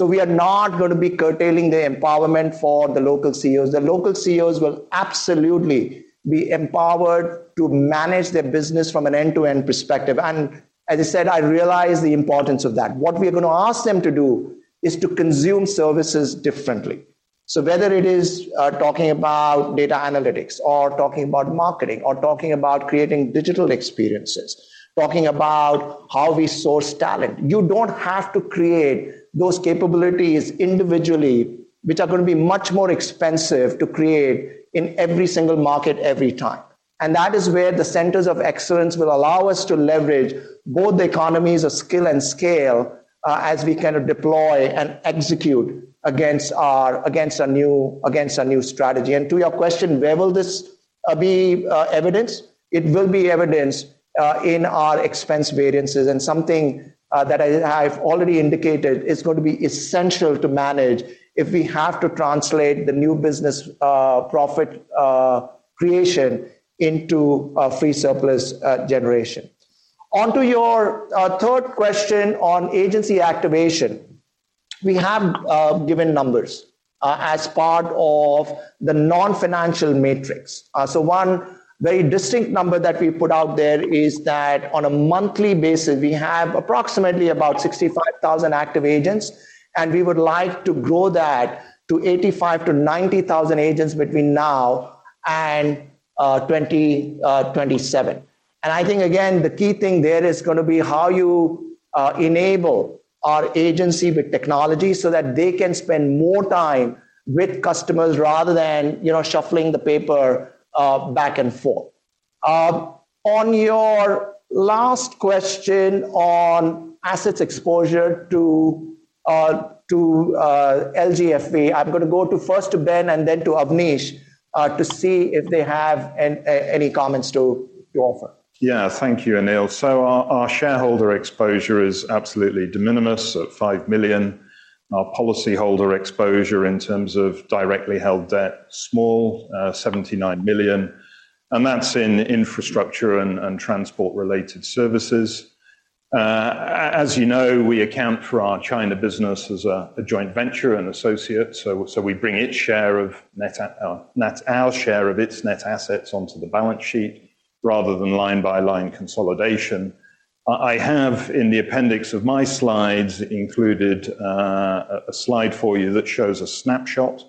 Speaker 3: We are not gonna be curtailing the empowerment for the local CEOs. The local CEOs will absolutely be empowered to manage their business from an end-to-end perspective. As I said, I realize the importance of that. What we are gonna ask them to do is to consume services differently. Whether it is talking about data analytics, or talking about marketing, or talking about creating digital experiences, talking about how we source talent, you don't have to create those capabilities individually, which are gonna be much more expensive to create in every single market every time. That is where the centers of excellence will allow us to leverage both the economies of skill and scale as we kind of deploy and execute against a new strategy. To your question, where will this be evidenced? It will be evidenced in our expense variances, and something that I have already indicated is going to be essential to manage if we have to translate the new business profit creation into a free surplus generation. Onto your third question on agency activation. We have given numbers as part of the non-financial matrix. So one very distinct number that we put out there is that on a monthly basis, we have approximately about 65,000 active agents, and we would like to grow that to 85,000-90,000 agents between now and 2027. And I think, again, the key thing there is gonna be how you enable our agency with technology so that they can spend more time with customers rather than, you know, shuffling the paper back and forth. On your last question on assets exposure to LGFV, I'm gonna go first to Ben and then to Avnish to see if they have any comments to offer.
Speaker 7: Yeah. Thank you, Anil. So our shareholder exposure is absolutely de minimis at $5 million. Our policyholder exposure in terms of directly held debt, small, $79 million, and that's in infrastructure and transport-related services. As you know, we account for our China business as a joint venture and associate, so we bring our share of its net assets onto the balance sheet rather than line-by-line consolidation. I have, in the appendix of my slides, included a slide for you that shows a snapshot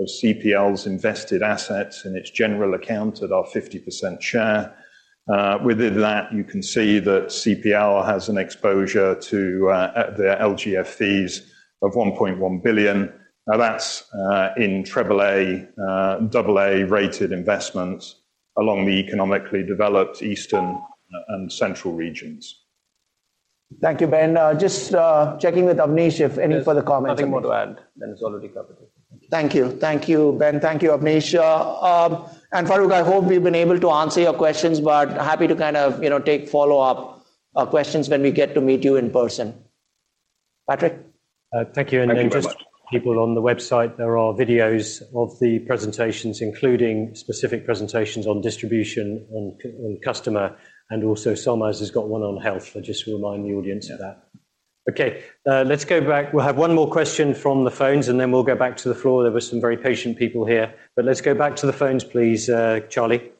Speaker 7: of CPL's invested assets in its general account at our 50% share. Within that, you can see that CPL has an exposure to the LGFVs of $1.1 billion. Now, that's in AAA, AA-rated investments along the economically developed Eastern and Central regions.
Speaker 3: Thank you, Ben. Just checking with Avnish if any further comments.
Speaker 15: Nothing more to add than it's already covered.
Speaker 3: Thank you. Thank you, Ben. Thank you, Avnish, and Farooq. I hope we've been able to answer your questions, but happy to kind of, you know, take follow-up questions when we get to meet you in person. Patrick?
Speaker 14: Thank you.
Speaker 7: Thank you very much.
Speaker 1: And then just people on the website, there are videos of the presentations, including specific presentations on distribution, on customer, and also Solmaz has got one on health. I just remind the audience of that. Okay, let's go back. We'll have one more question from the phones, and then we'll go back to the floor. There were some very patient people here, but let's go back to the phones, please, Charlie.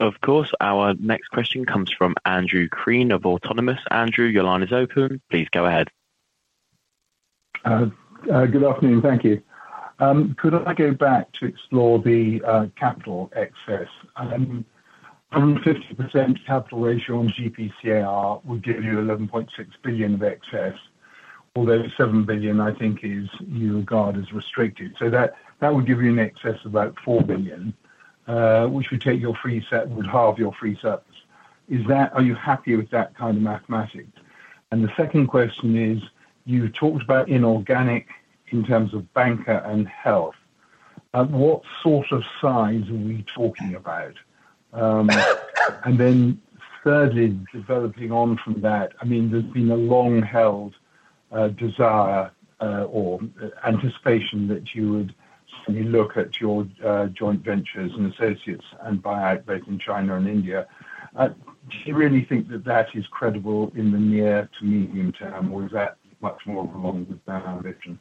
Speaker 2: Of course. Our next question comes from Andrew Crean of Autonomous. Andrew, your line is open. Please go ahead.
Speaker 16: Good afternoon. Thank you. Could I go back to explore the capital excess? 50% capital ratio on Group PCR would give you $11.6 billion of excess, although $7 billion, I think, is what you regard as restricted. So that would give you an excess of about $4 billion, which would take your free assets, would halve your free surplus. Is that, Are you happy with that kind of mathematics? The second question is, you talked about inorganic in terms of banking and health. What sort of size are we talking about? And then thirdly, building on from that, I mean, there's been a long-held desire or anticipation that you would look at your joint ventures and associates and buy out both in China and India. Do you really think that that is credible in the near to medium term, or is that much more of a long-term ambition?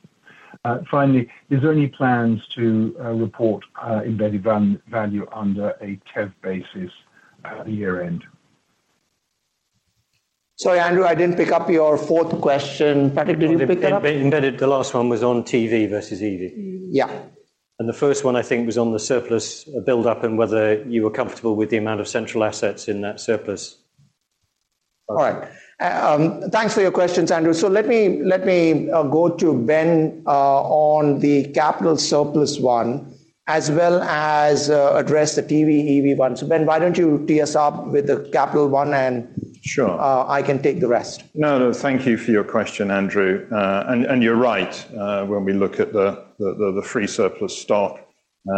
Speaker 16: Finally, is there any plans to report embedded value under a TEV basis at the year-end?
Speaker 3: Sorry, Andrew, I didn't pick up your fourth question. Patrick, did you pick it up?
Speaker 1: Embedded. The last one was on TEV versus EEV.
Speaker 3: Yeah.
Speaker 1: The first one, I think, was on the surplus buildup and whether you were comfortable with the amount of central assets in that surplus.
Speaker 3: All right. Thanks for your questions, Andrew. So let me, let me, go to Ben, on the capital surplus one, as well as, address the TEV, EV one. So, Ben, why don't you tee us up with the capital one and-
Speaker 7: Sure.
Speaker 3: I can take the rest.
Speaker 7: No, no, thank you for your question, Andrew. And you're right, when we look at the free surplus stock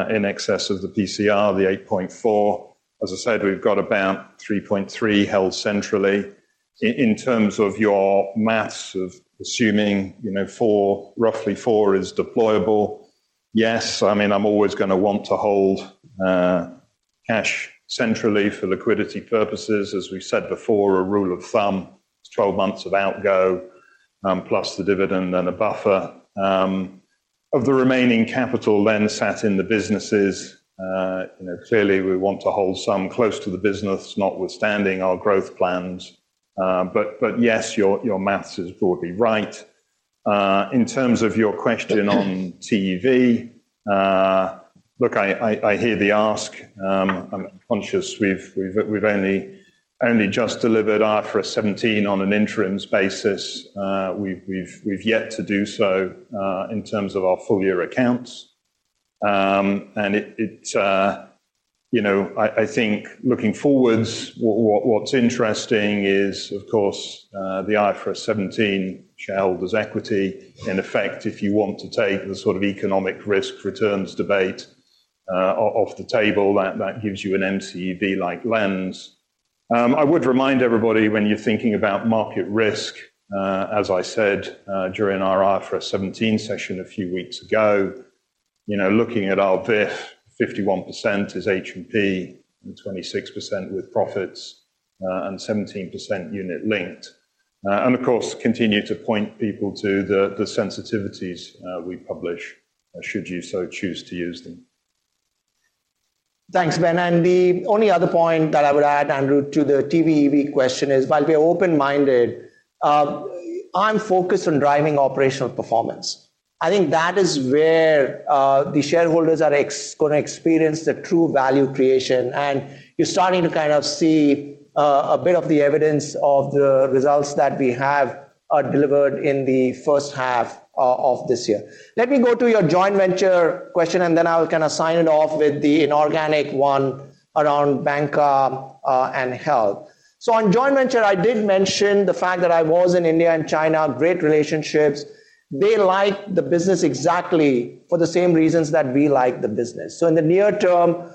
Speaker 7: in excess of the PCR, the 8.4, as I said, we've got about 3.3 held centrally. In terms of your maths of assuming, you know, four, roughly four is deployable. Yes, I mean, I'm always gonna want to hold cash centrally for liquidity purposes. As we said before, a rule of thumb, it's 12 months of outgo, plus the dividend and a buffer. Of the remaining capital then sat in the businesses, you know, clearly, we want to hold some close to the business, notwithstanding our growth plans. But yes, your maths is broadly right. In terms of your question on TEV, look, I hear the ask. I'm conscious we've only just delivered IFRS 17 on an interim basis. We've yet to do so in terms of our full-year accounts. And it, you know, I think looking forwards, what's interesting is, of course, the IFRS 17 shareholders equity. In effect, if you want to take the sort of economic risk returns debate off the table, that gives you an MCEV-like lens. I would remind everybody, when you're thinking about market risk, as I said, during our IFRS 17 session a few weeks ago, you know, looking at our VIF, 51% is H&P, and 26% with profits, and 17% unit linked. And of course, continue to point people to the sensitivities we publish, should you so choose to use them.
Speaker 3: Thanks, Ben. The only other point that I would add, Andrew, to the TEV, EV question is, while we're open-minded, I'm focused on driving operational performance. I think that is where the shareholders are gonna experience the true value creation, and you're starting to kind of see a bit of the evidence of the results that we have delivered in the first half of this year. Let me go to your joint venture question, and then I'll kinda sign it off with the inorganic one around banca and health. So on joint venture, I did mention the fact that I was in India and China, great relationships. They like the business exactly for the same reasons that we like the business. So in the near term,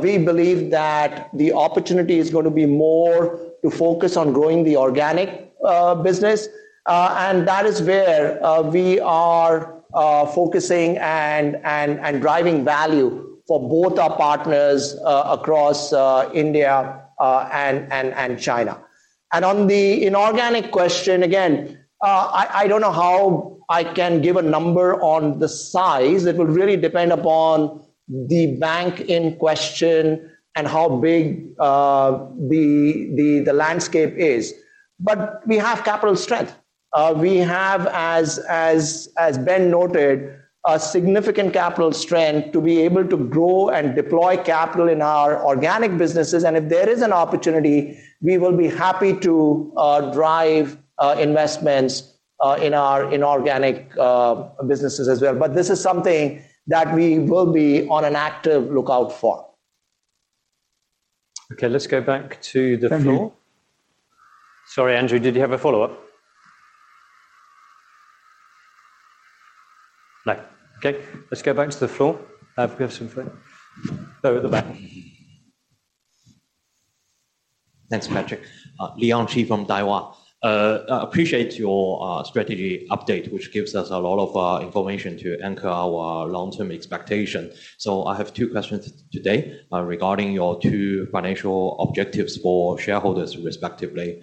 Speaker 3: we believe that the opportunity is gonna be more to focus on growing the organic business. And that is where we are focusing and driving value for both our partners across India and China. And on the inorganic question, again, I don't know how I can give a number on the size. It will really depend upon the bank in question and how big the landscape is, but we have capital strength. We have, as Ben noted, a significant capital strength to be able to grow and deploy capital in our organic businesses, and if there is an opportunity, we will be happy to drive investments in our inorganic businesses as well. But this is something that we will be on an active lookout for.
Speaker 15: Okay, let's go back to the floor.
Speaker 3: Andrew?
Speaker 15: Sorry, Andrew, did you have a follow-up? No. Okay, let's go back to the floor. We have some friend. Go at the back.
Speaker 17: Thanks, Patrick. Leon Qi from Daiwa. I appreciate your strategy update, which gives us a lot of information to anchor our long-term expectation. So I have two questions today, regarding your two financial objectives for shareholders respectively.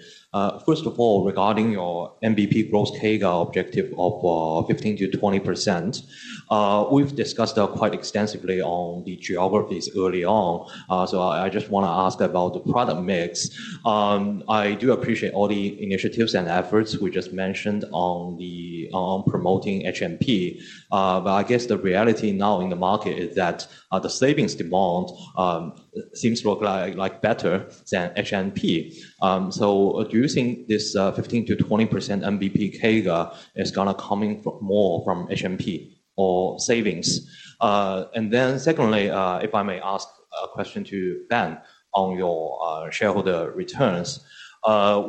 Speaker 17: First of all, regarding your NBP gross CAGR objective of 15%-20%, we've discussed quite extensively on the geographies early on. So I just wanna ask about the product mix. I do appreciate all the initiatives and efforts we just mentioned on the promoting H&P. But I guess the reality now in the market is that the savings demand seems to look like, like better than H&P. So do you think this 15%-20% NBP CAGR is gonna coming from more from H&P or savings? And then secondly, if I may ask a question to Ben on your shareholder returns.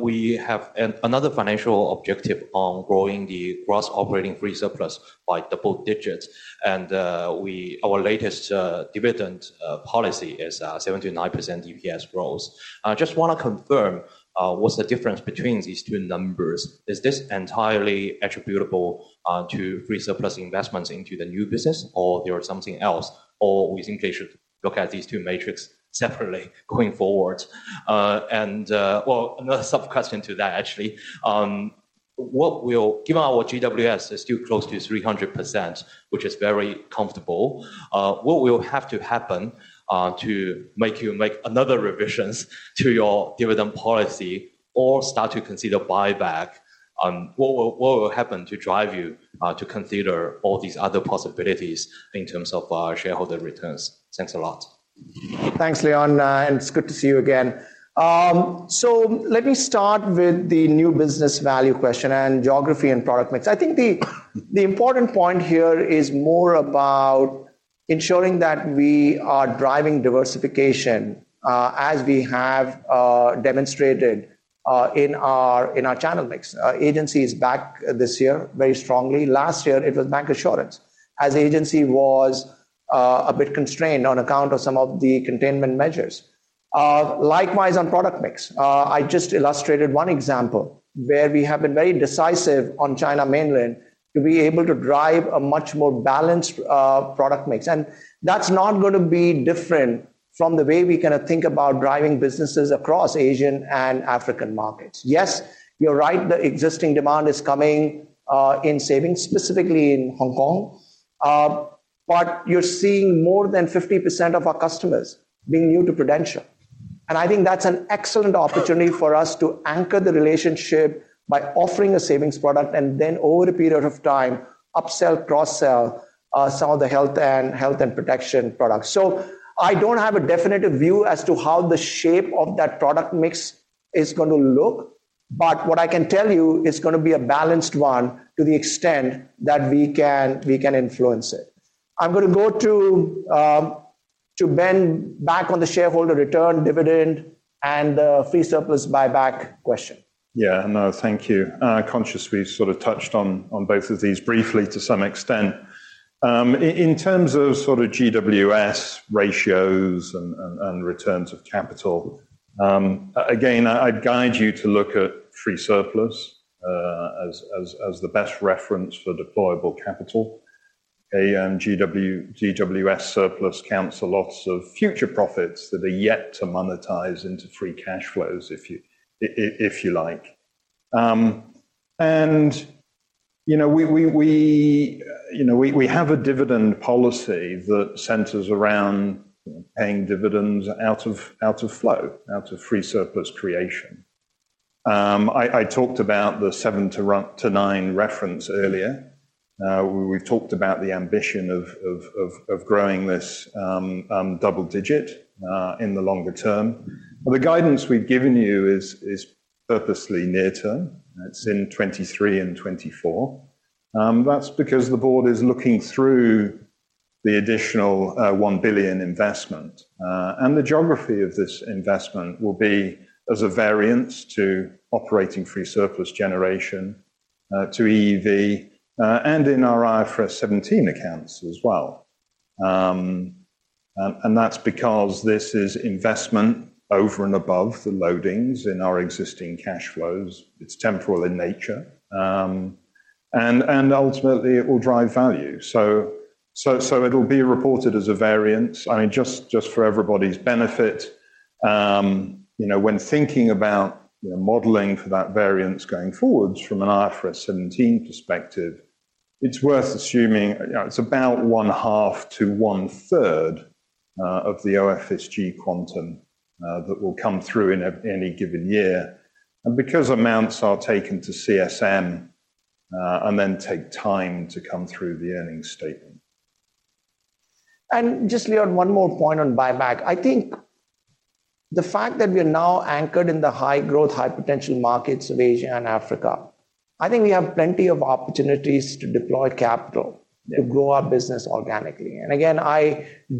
Speaker 17: We have another financial objective on growing the gross operating free surplus by double digits, and our latest dividend policy is 7%-9% DPS growth. I just wanna confirm, what's the difference between these two numbers? Is this entirely attributable to free surplus investments into the new business, or there is something else? Or we think I should look at these two metrics separately going forward? And well, another sub question to that, actually. Given our GWS is still close to 300%, which is very comfortable, what will have to happen to make you make another revisions to your dividend policy or start to consider buyback? What will, what will happen to drive you to consider all these other possibilities in terms of our shareholder returns? Thanks a lot.
Speaker 3: Thanks, Leon, and it's good to see you again. So let me start with the new business value question and geography and product mix. I think the important point here is more about ensuring that we are driving diversification, as we have demonstrated in our channel mix. Agency is back this year very strongly. Last year, it was bancassurance, as agency was a bit constrained on account of some of the containment measures. Likewise on product mix. I just illustrated one example where we have been very decisive on China mainland to be able to drive a much more balanced product mix. And that's not gonna be different from the way we kinda think about driving businesses across Asian and African markets. Yes, you're right, the existing demand is coming in savings, specifically in Hong Kong. But you're seeing more than 50% of our customers being new to Prudential. And I think that's an excellent opportunity for us to anchor the relationship by offering a savings product and then over a period of time, upsell, cross-sell some of the health and health and protection products. So I don't have a definitive view as to how the shape of that product mix is gonna look, but what I can tell you, it's gonna be a balanced one to the extent that we can, we can influence it. I'm gonna go to, to Ben, back on the shareholder return dividend and, free surplus buyback question.
Speaker 7: Yeah, no, thank you. Concerning, we sort of touched on both of these briefly to some extent. In terms of sort of GWS ratios and returns of capital, again, I'd guide you to look at free surplus as the best reference for deployable capital. GWS surplus counts for lots of future profits that are yet to monetize into free cash flows, if you like. And, you know, we have a dividend policy that centers around paying dividends out of OFSG, out of free surplus creation. I talked about the 7-9 reference earlier. We've talked about the ambition of growing this double-digit in the longer term. The guidance we've given you is purposely near term. It's in 2023 and 2024. That's because the board is looking through the additional $1 billion investment. And the geography of this investment will be as a variance to operating free surplus generation, to EEV, and in our IFRS 17 accounts as well. And that's because this is investment over and above the loadings in our existing cash flows. It's temporal in nature, and ultimately, it will drive value. So it'll be reported as a variance. I mean, just for everybody's benefit, you know, when thinking about, you know, modeling for that variance going forwards from an IFRS 17 perspective- It's worth assuming, you know, it's about one half to one third of the OFSG quantum that will come through in any given year. And because amounts are taken to CSM, and then take time to come through the earnings statement.
Speaker 3: Just, Leon, one more point on buyback. I think the fact that we are now anchored in the high-growth, high-potential markets of Asia and Africa, I think we have plenty of opportunities to deploy capital-
Speaker 7: Yeah.
Speaker 3: To grow our business organically. And again, I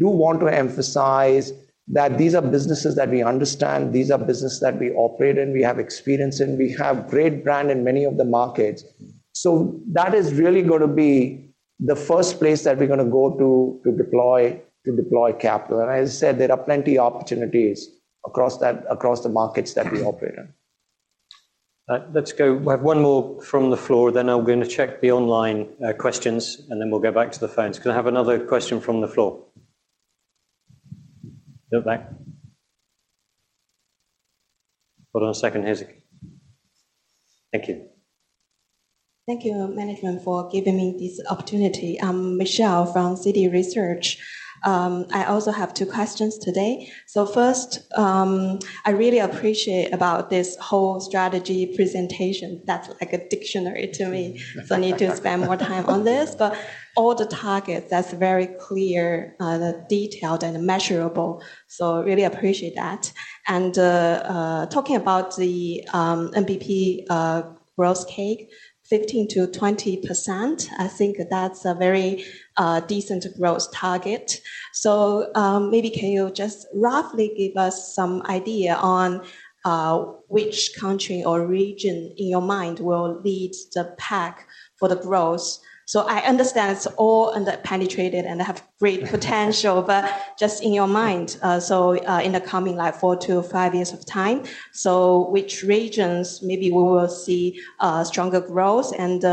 Speaker 3: do want to emphasize that these are businesses that we understand, these are businesses that we operate in, we have experience in, we have great brand in many of the markets. So that is really gonna be the first place that we're gonna go to, to deploy, to deploy capital. And as I said, there are plenty opportunities across that, across the markets that we operate in.
Speaker 1: Let's go. We have one more from the floor, then I'm gonna check the online questions, and then we'll go back to the phones. Can I have another question from the floor? Go back. Hold on a second, here's it. Thank you.
Speaker 18: Thank you, management, for giving me this opportunity. I'm Michelle from Citi Research. I also have two questions today. So first, I really appreciate about this whole strategy presentation. That's like a dictionary to me. So I need to spend more time on this, but all the targets, that's very clear, detailed and measurable. So really appreciate that. Talking about the NBP growth, 15%-20%, I think that's a very decent growth target. So maybe can you just roughly give us some idea on which country or region in your mind will lead the pack for the growth? So I understand it's all under penetrated and have great potential, but just in your mind, so, in the coming, like, four-five years of time, so which regions maybe we will see, stronger growth and,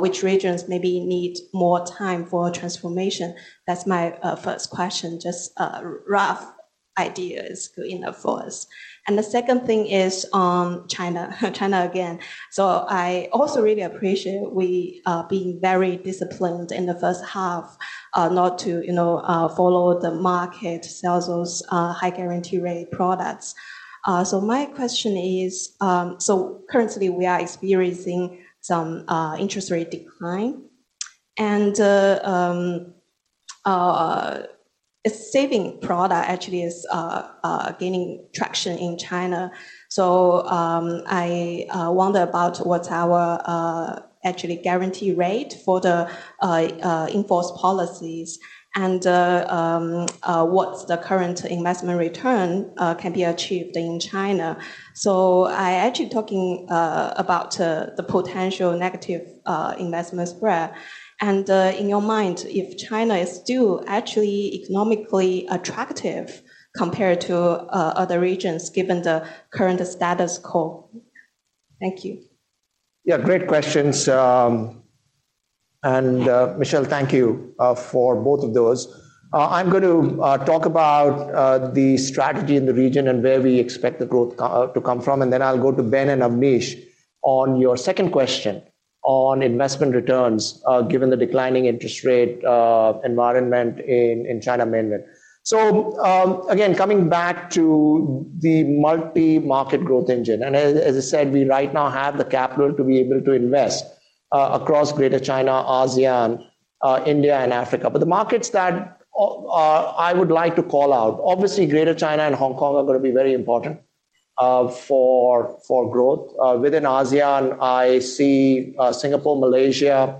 Speaker 18: which regions maybe need more time for transformation? That's my first question, just, rough ideas in the first. And the second thing is on China, China again. So I also really appreciate we, being very disciplined in the first half, not to, you know, follow the market, sell those, high guarantee rate products. So my question is, so currently, we are experiencing some, interest rate decline, and, a savings product actually is, gaining traction in China. So, I wonder about what's our actually guaranteed rate for the in-force policies, and what's the current investment return can be achieved in China. So I actually talking about the potential negative investment spread, and in your mind, if China is still actually economically attractive compared to other regions, given the current status quo. Thank you.
Speaker 3: Yeah, great questions. Michelle, thank you for both of those. I'm going to talk about the strategy in the region and where we expect the growth to come from, and then I'll go to Ben and Avnish on your second question on investment returns, given the declining interest rate environment Mainland China. so, again, coming back to the multi-market growth engine, and as I said, we right now have the capital to be able to invest across Greater China, ASEAN, India and Africa. But the markets that I would like to call out, obviously, Greater China and Hong Kong are gonna be very important for growth. Within ASEAN, I see Singapore, Malaysia,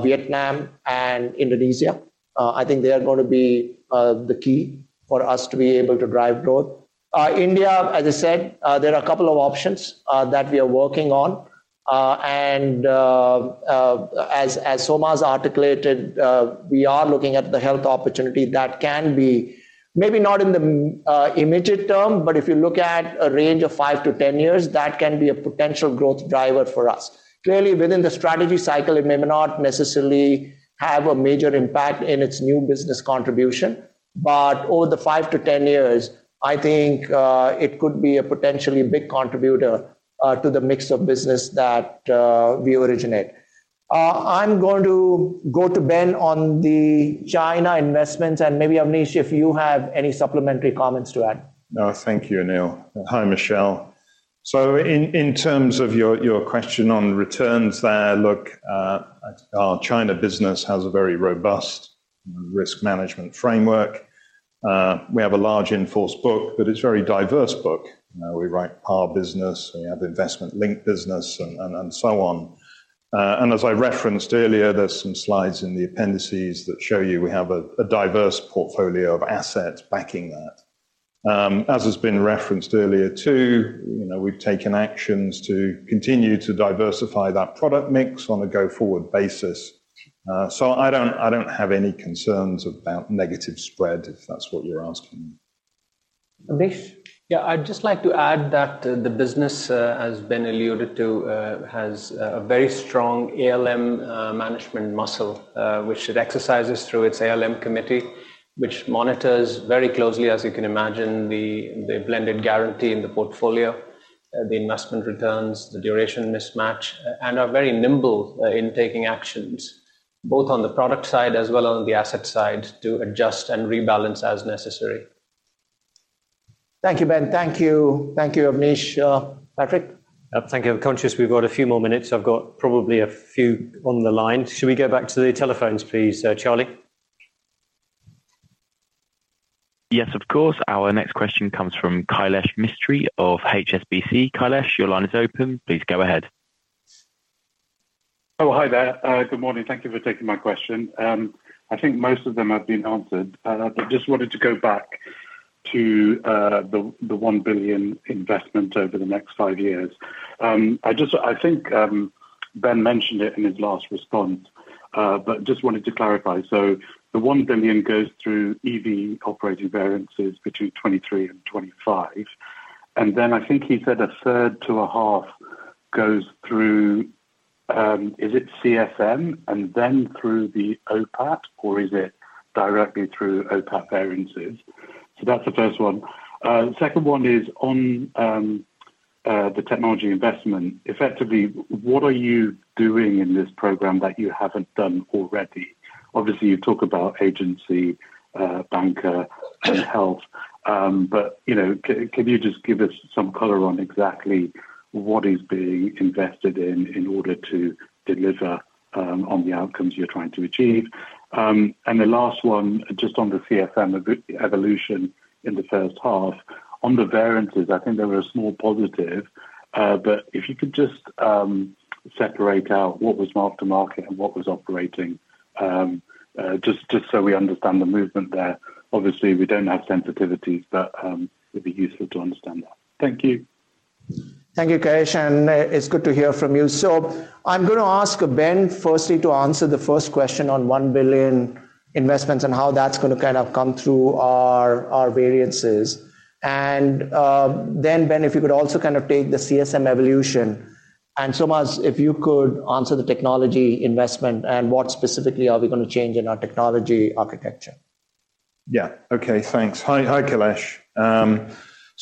Speaker 3: Vietnam, and Indonesia. I think they are gonna be the key for us to be able to drive growth. India, as I said, there are a couple of options that we are working on. As Solmaz's articulated, we are looking at the health opportunity that can be maybe not in the immediate term, but if you look at a range of five to 10 years, that can be a potential growth driver for us. Clearly, within the strategy cycle, it may not necessarily have a major impact in its new business contribution, but over the five to 10 years, I think it could be a potentially big contributor to the mix of business that we originate. I'm going to go to Ben on the China investments and maybe, Avnish, if you have any supplementary comments to add.
Speaker 7: Thank you, Anil. Hi, Michelle. So in terms of your question on returns there, look, our China business has a very robust risk management framework. We have a large in-force book, but it's a very diverse book. We write par business, we have investment-linked business and so on. And as I referenced earlier, there's some slides in the appendices that show you we have a diverse portfolio of assets backing that. As has been referenced earlier, too, you know, we've taken actions to continue to diversify that product mix on a go-forward basis. So I don't have any concerns about negative spread, if that's what you're asking.
Speaker 3: Avnish?
Speaker 12: Yeah, I'd just like to add that, the business, as Ben alluded to, has a very strong ALM management muscle, which it exercises through its ALM committee, which monitors very closely, as you can imagine, the blended guarantee in the portfolio.
Speaker 7: The investment returns, the duration mismatch, and are very nimble in taking actions, both on the product side as well on the asset side, to adjust and rebalance as necessary.
Speaker 3: Thank you, Ben. Thank you. Thank you, Avnish. Patrick?
Speaker 1: Thank you. I'm conscious we've got a few more minutes. I've got probably a few on the line. Should we go back to the telephones, please, Charlie?
Speaker 2: Yes, of course. Our next question comes from Kailesh Mistry of HSBC. Kailesh, your line is open. Please go ahead.
Speaker 19: Oh, hi there. Good morning. Thank you for taking my question. I think most of them have been answered. But just wanted to go back to the $1 billion investment over the next five years. I just, I think Ben mentioned it in his last response, but just wanted to clarify. So the $1 billion goes through EV operating variances between 2023 and 2025, and then I think he said a third to a half goes through, is it CSM and then through the OPAT, or is it directly through OPAT variances? So that's the first one. The second one is on the technology investment. Effectively, what are you doing in this program that you haven't done already? Obviously, you talk about agency, banca and health, but, you know, can you just give us some color on exactly what is being invested in, in order to deliver on the outcomes you're trying to achieve? And the last one, just on the CSM, the evolution in the first half. On the variances, I think there were a small positive, but if you could just separate out what was mark to market and what was operating, just so we understand the movement there. Obviously, we don't have sensitivities, but it would be useful to understand that. Thank you.
Speaker 3: Thank you, Kailesh, and it's good to hear from you. So I'm gonna ask Ben firstly to answer the first question on $1 billion investments and how that's gonna kind of come through our, our variances. And then, Ben, if you could also kind of take the CSM evolution, and Solmaz, if you could answer the technology investment and what specifically are we gonna change in our technology architecture.
Speaker 7: Yeah. Okay, thanks. Hi, hi, Kailesh.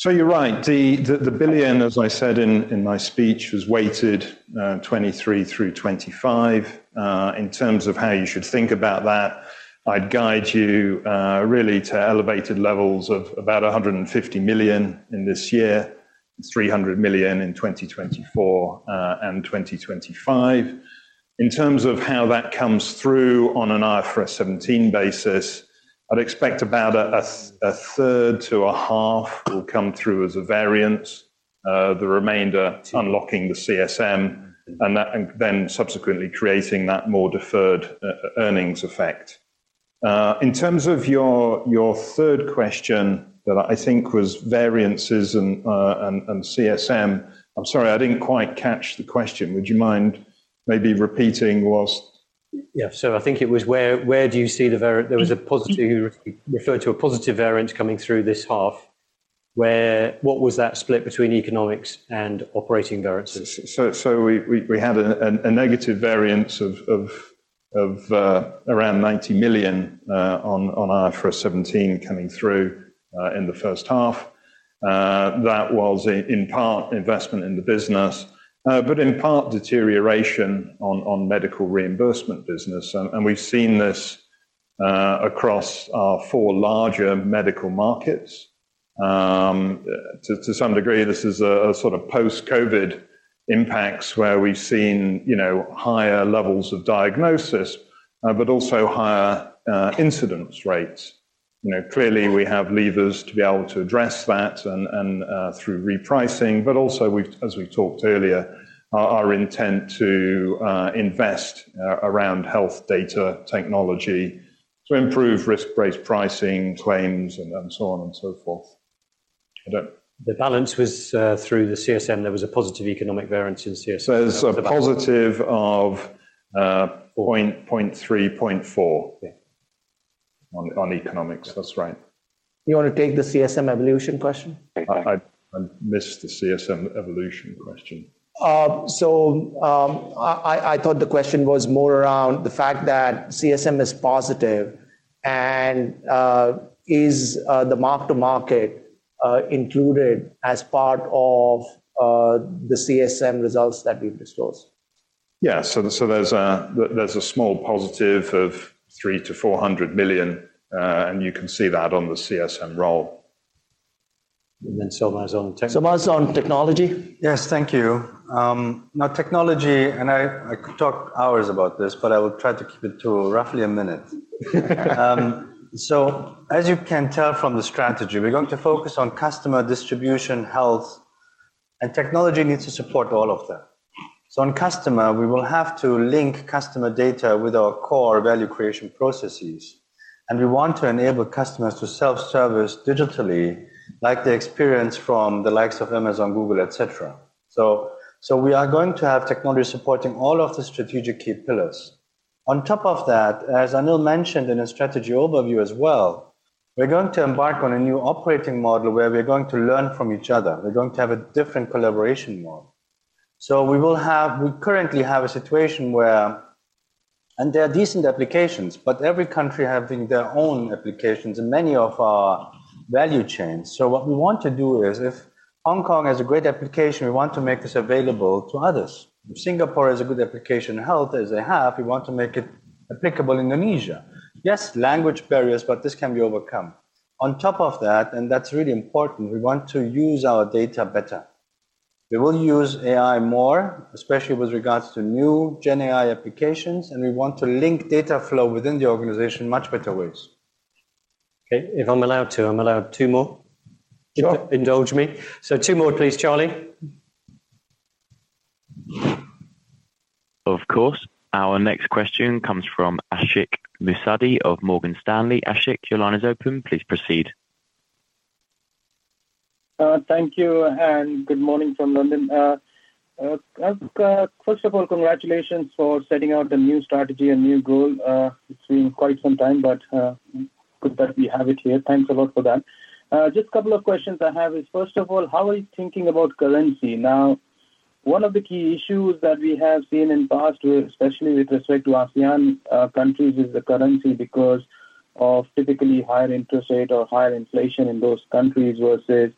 Speaker 7: So you're right. The billion, as I said in my speech, was weighted 2023 through 2025. In terms of how you should think about that, I'd guide you really to elevated levels of about $150 million in this year, $300 million in 2024, and 2025. In terms of how that comes through on an IFRS 17 basis, I'd expect about a third to a half will come through as a variance, the remainder unlocking the CSM and that, and then subsequently creating that more deferred earnings effect. In terms of your third question, that I think was variances and CSM, I'm sorry, I didn't quite catch the question. Would you mind maybe repeating what's
Speaker 19: Yeah. So I think it was where do you see the variance. There was a positive, you referred to a positive variance coming through this half. Where, What was that split between economics and operating variances?
Speaker 7: So, we had a negative variance of around $90 million on IFRS 17 coming through in the first half. That was in part investment in the business, but in part deterioration on medical reimbursement business. We've seen this across our four larger medical markets. To some degree, this is a sort of post-COVID impacts where we've seen, you know, higher levels of diagnosis, but also higher incidence rates. You know, clearly, we have levers to be able to address that and through repricing, but also we've, as we talked earlier, our intent to invest around health data technology to improve risk-based pricing, claims, and so on and so forth. I don't- The balance was through the CSM. There was a positive economic variance in CSM. So it's a positive of 0.3, 0.4- Yeah. on economics. That's right.
Speaker 3: You want to take the CSM evolution question?
Speaker 7: I missed the CSM evolution question.
Speaker 3: So, I thought the question was more around the fact that CSM is positive, and is the mark-to-market included as part of the CSM results that we've disclosed?
Speaker 7: Yeah. So, there's a small positive of $300 million-$400 million, and you can see that on the CSM roll.
Speaker 19: And then Solmaz on technology.
Speaker 3: Solmaz on technology?
Speaker 9: Yes, thank you. Now technology, and I could talk hours about this, but I will try to keep it to roughly a minute. So as you can tell from the strategy, we're going to focus on customer distribution, health, and technology needs to support all of that. So on customer, we will have to link customer data with our core value creation processes, and we want to enable customers to self-service digitally, like the experience from the likes of Amazon, Google, et cetera. So we are going to have technology supporting all of the strategic key pillars. On top of that, as Anil mentioned in his strategy overview as well, we're going to embark on a new operating model where we're going to learn from each other. We're going to have a different collaboration model. So we will have. We currently have a situation where-
Speaker 3: And they are decent applications, but every country having their own applications and many of our value chains. So what we want to do is, if Hong Kong has a great application, we want to make this available to others. If Singapore has a good application in health, as they have, we want to make it applicable Indonesia. Yes, language barriers, but this can be overcome. On top of that, and that's really important, we want to use our data better. We will use AI more, especially with regards to new Gen AI applications, and we want to link data flow within the organization in much better ways.
Speaker 19: Okay. If I'm allowed to, I'm allowed two more?
Speaker 3: Sure.
Speaker 19: Indulge me. Two more, please, Charlie.
Speaker 2: Of course. Our next question comes from Ashik Musaddi of Morgan Stanley. Ashik, your line is open. Please proceed.
Speaker 20: Thank you, and good morning from London. First of all, congratulations for setting out a new strategy, a new goal. It's been quite some time, but good that we have it here. Thanks a lot for that. Just a couple of questions I have is, first of all, how are you thinking about currency? Now, one of the key issues that we have seen in the past, especially with respect to ASEAN countries, is the currency, because of typically higher interest rate or higher inflation in those countries versus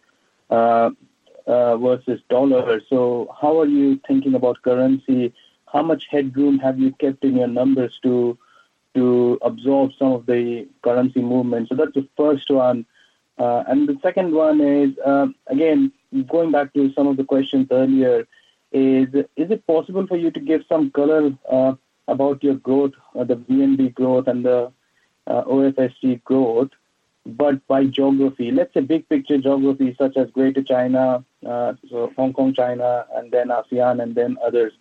Speaker 20: dollar. So how are you thinking about currency? How much headroom have you kept in your numbers to absorb some of the currency movements? So that's the first one. And the second one is, again, going back to some of the questions earlier, is: Is it possible for you to give some color about your growth or the VONB growth and the OFSG growth, but by geography? Let's say, big picture geography, such as Greater China, so Hong Kong, China, and then ASEAN, and then others.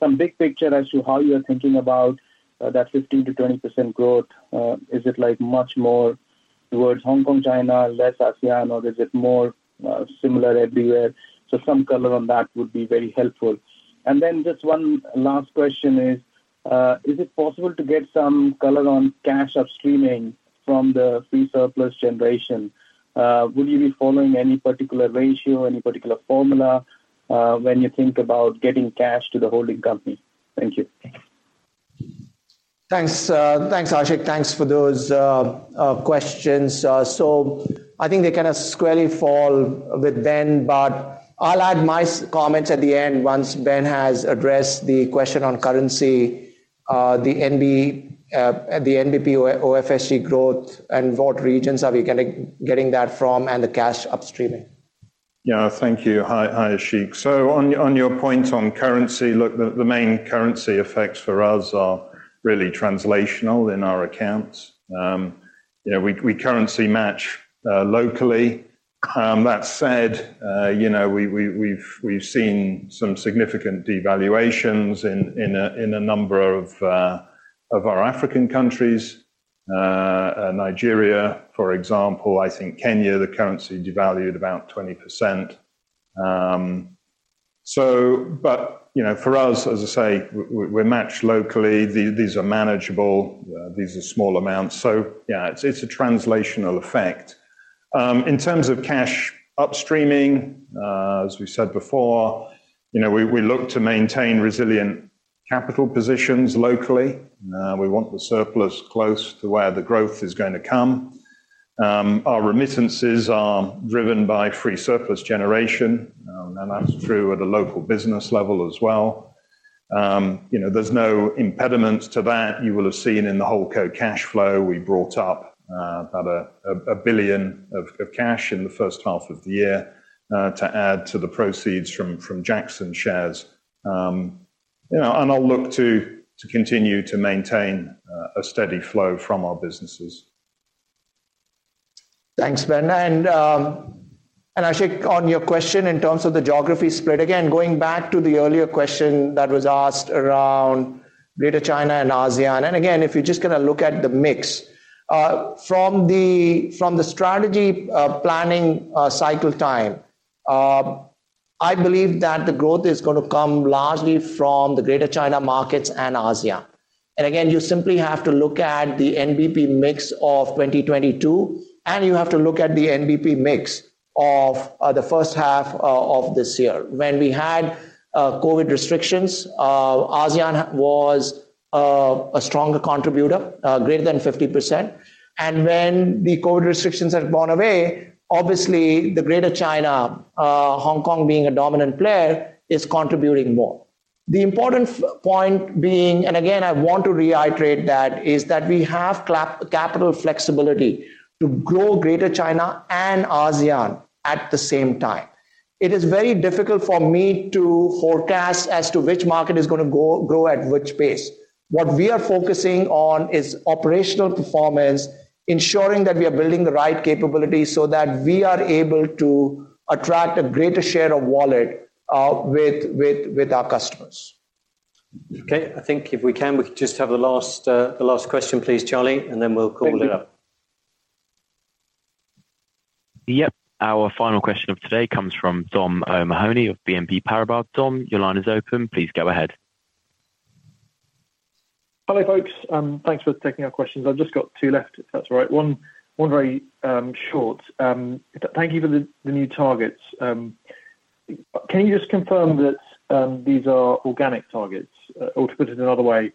Speaker 20: Some big picture as to how you're thinking about that 15%-20% growth. Is it, like, much more towards Hong Kong, China, less ASEAN, or is it more similar everywhere? So some color on that would be very helpful. And then just one last question is: Is it possible to get some color on cash upstreaming from the free surplus generation? Will you be following any particular ratio, any particular formula, when you think about getting cash to the holding company? Thank you.
Speaker 3: Thanks. Thanks, Ashik. Thanks for those questions. So I think they kinda squarely fall with Ben, but I'll add my comments at the end once Ben has addressed the question on currency, the NB, the NBP-OFSG growth, and what regions are we getting that from, and the cash upstreaming.
Speaker 7: Yeah. Thank you. Hi, Ashik. So on your point on currency, look, the main currency effects for us are really translational in our accounts. Yeah, we currency match locally. That said, you know, we've seen some significant devaluations in a number of our African countries. Nigeria, for example. I think Kenya, the currency devalued about 20%. But, you know, for us, as I say, we're matched locally. These are manageable. These are small amounts, so yeah, it's a translational effect. In terms of cash upstreaming, as we said before, you know, we look to maintain resilient capital positions locally. We want the surplus close to where the growth is going to come. Our remittances are driven by free surplus generation, and that's true at a local business level as well. You know, there's no impediment to that. You will have seen in the HoldCo cash flow, we brought up about $1 billion of cash in the first half of the year to add to the proceeds from Jackson shares. You know, and I'll look to continue to maintain a steady flow from our businesses.
Speaker 3: Thanks, Ben. And, and Ashik, on your question in terms of the geography split, again, going back to the earlier question that was asked around Greater China and ASEAN, and again, if you're just gonna look at the mix. From the strategy planning cycle time, I believe that the growth is gonna come largely from the Greater China markets and ASEAN. And again, you simply have to look at the NBP mix of 2022, and you have to look at the NBP mix of the first half of this year. When we had COVID restrictions, ASEAN was a stronger contributor, greater than 50%. And when the COVID restrictions have gone away, obviously, the Greater China, Hong Kong being a dominant player, is contributing more. The important point being, and again, I want to reiterate that, is that we have capital flexibility to grow Greater China and ASEAN at the same time. It is very difficult for me to forecast as to which market is gonna grow at which pace. What we are focusing on is operational performance, ensuring that we are building the right capabilities so that we are able to attract a greater share of wallet with our customers.
Speaker 1: Okay. I think if we can, we can just have the last, the last question, please, Charlie, and then we'll call it up.
Speaker 2: Yep. Our final question of today comes from Dom O'Mahony of BNP Paribas. Dom, your line is open. Please go ahead.
Speaker 21: Hello, folks. Thanks for taking our questions. I've just got two left, if that's all right. One very short. Thank you for the new targets. Can you just confirm that, these are organic targets? Or to put it another way,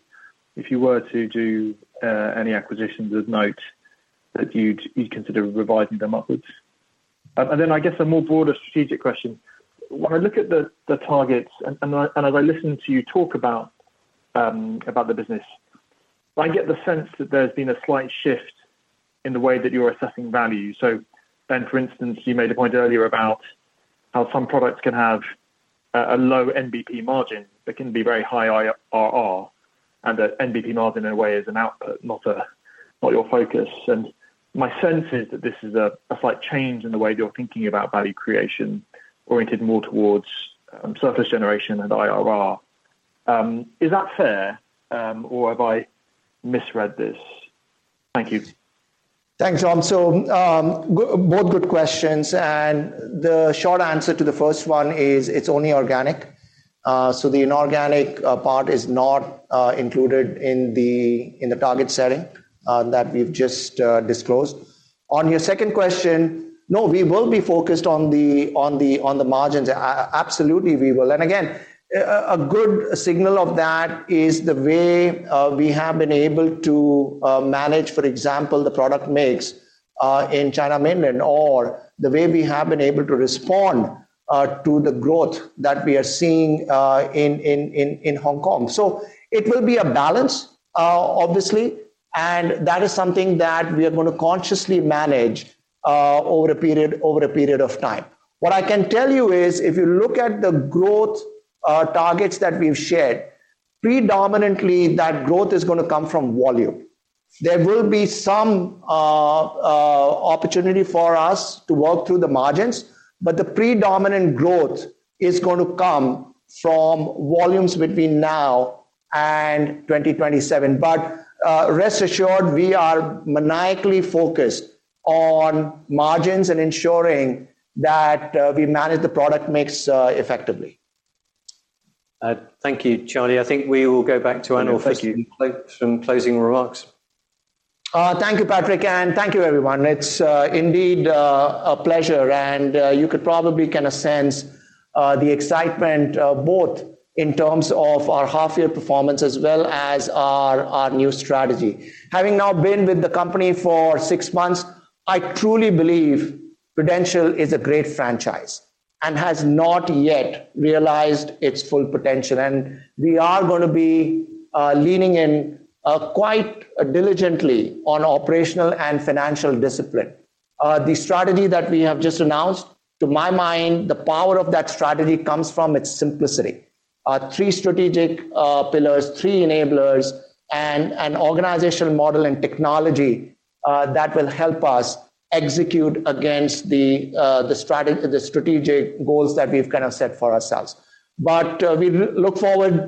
Speaker 21: if you were to do, any acquisitions of note, that you'd consider revising them upwards? And then I guess a more broader strategic question. When I look at the targets, and as I listen to you talk about the business, I get the sense that there's been a slight shift in the way that you're assessing value. So Ben, for instance, you made a point earlier about how some products can have a low NBP margin, but can be very high IRR, and that NBP margin, in a way, is an output, not your focus. My sense is that this is a slight change in the way you're thinking about value creation, oriented more towards surplus generation and IRR. Is that fair, or have I misread this? Thank you.
Speaker 3: Thanks, Dom. So, both good questions, and the short answer to the first one is it's only organic. So the inorganic part is not included in the target setting that we've just disclosed. On your second question, no, we will be focused on the margins. Absolutely, we will. And again, a good signal of that is the way we have been able to manage, for example, the product mix Mainland China, or the way we have been able to respond to the growth that we are seeing in Hong Kong. So it will be a balance, obviously, and that is something that we are gonna consciously manage over a period of time. What I can tell you is, if you look at the growth targets that we've shared, predominantly, that growth is gonna come from volume. There will be some opportunity for us to work through the margins, but the predominant growth is going to come from volumes between now and 2027. But rest assured, we are maniacally focused on margins and ensuring that we manage the product mix effectively.
Speaker 1: Thank you, Charlie. I think we will go back to Anil for some closing remarks.
Speaker 3: Thank you, Patrick, and thank you, everyone. It's indeed a pleasure, and you could probably kind of sense the excitement both in terms of our half-year performance as well as our new strategy. Having now been with the company for six months, I truly believe Prudential is a great franchise and has not yet realized its full potential. We are gonna be leaning in quite diligently on operational and financial discipline. The strategy that we have just announced, to my mind, the power of that strategy comes from its simplicity. Three strategic pillars, three enablers, and an organizational model and technology that will help us execute against the strategic goals that we've kind of set for ourselves. We look forward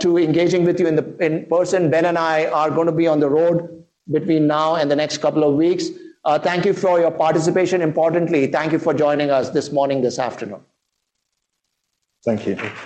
Speaker 3: to engaging with you in person. Ben and I are gonna be on the road between now and the next couple of weeks. Thank you for your participation. Importantly, thank you for joining us this morning, this afternoon.
Speaker 1: Thank you.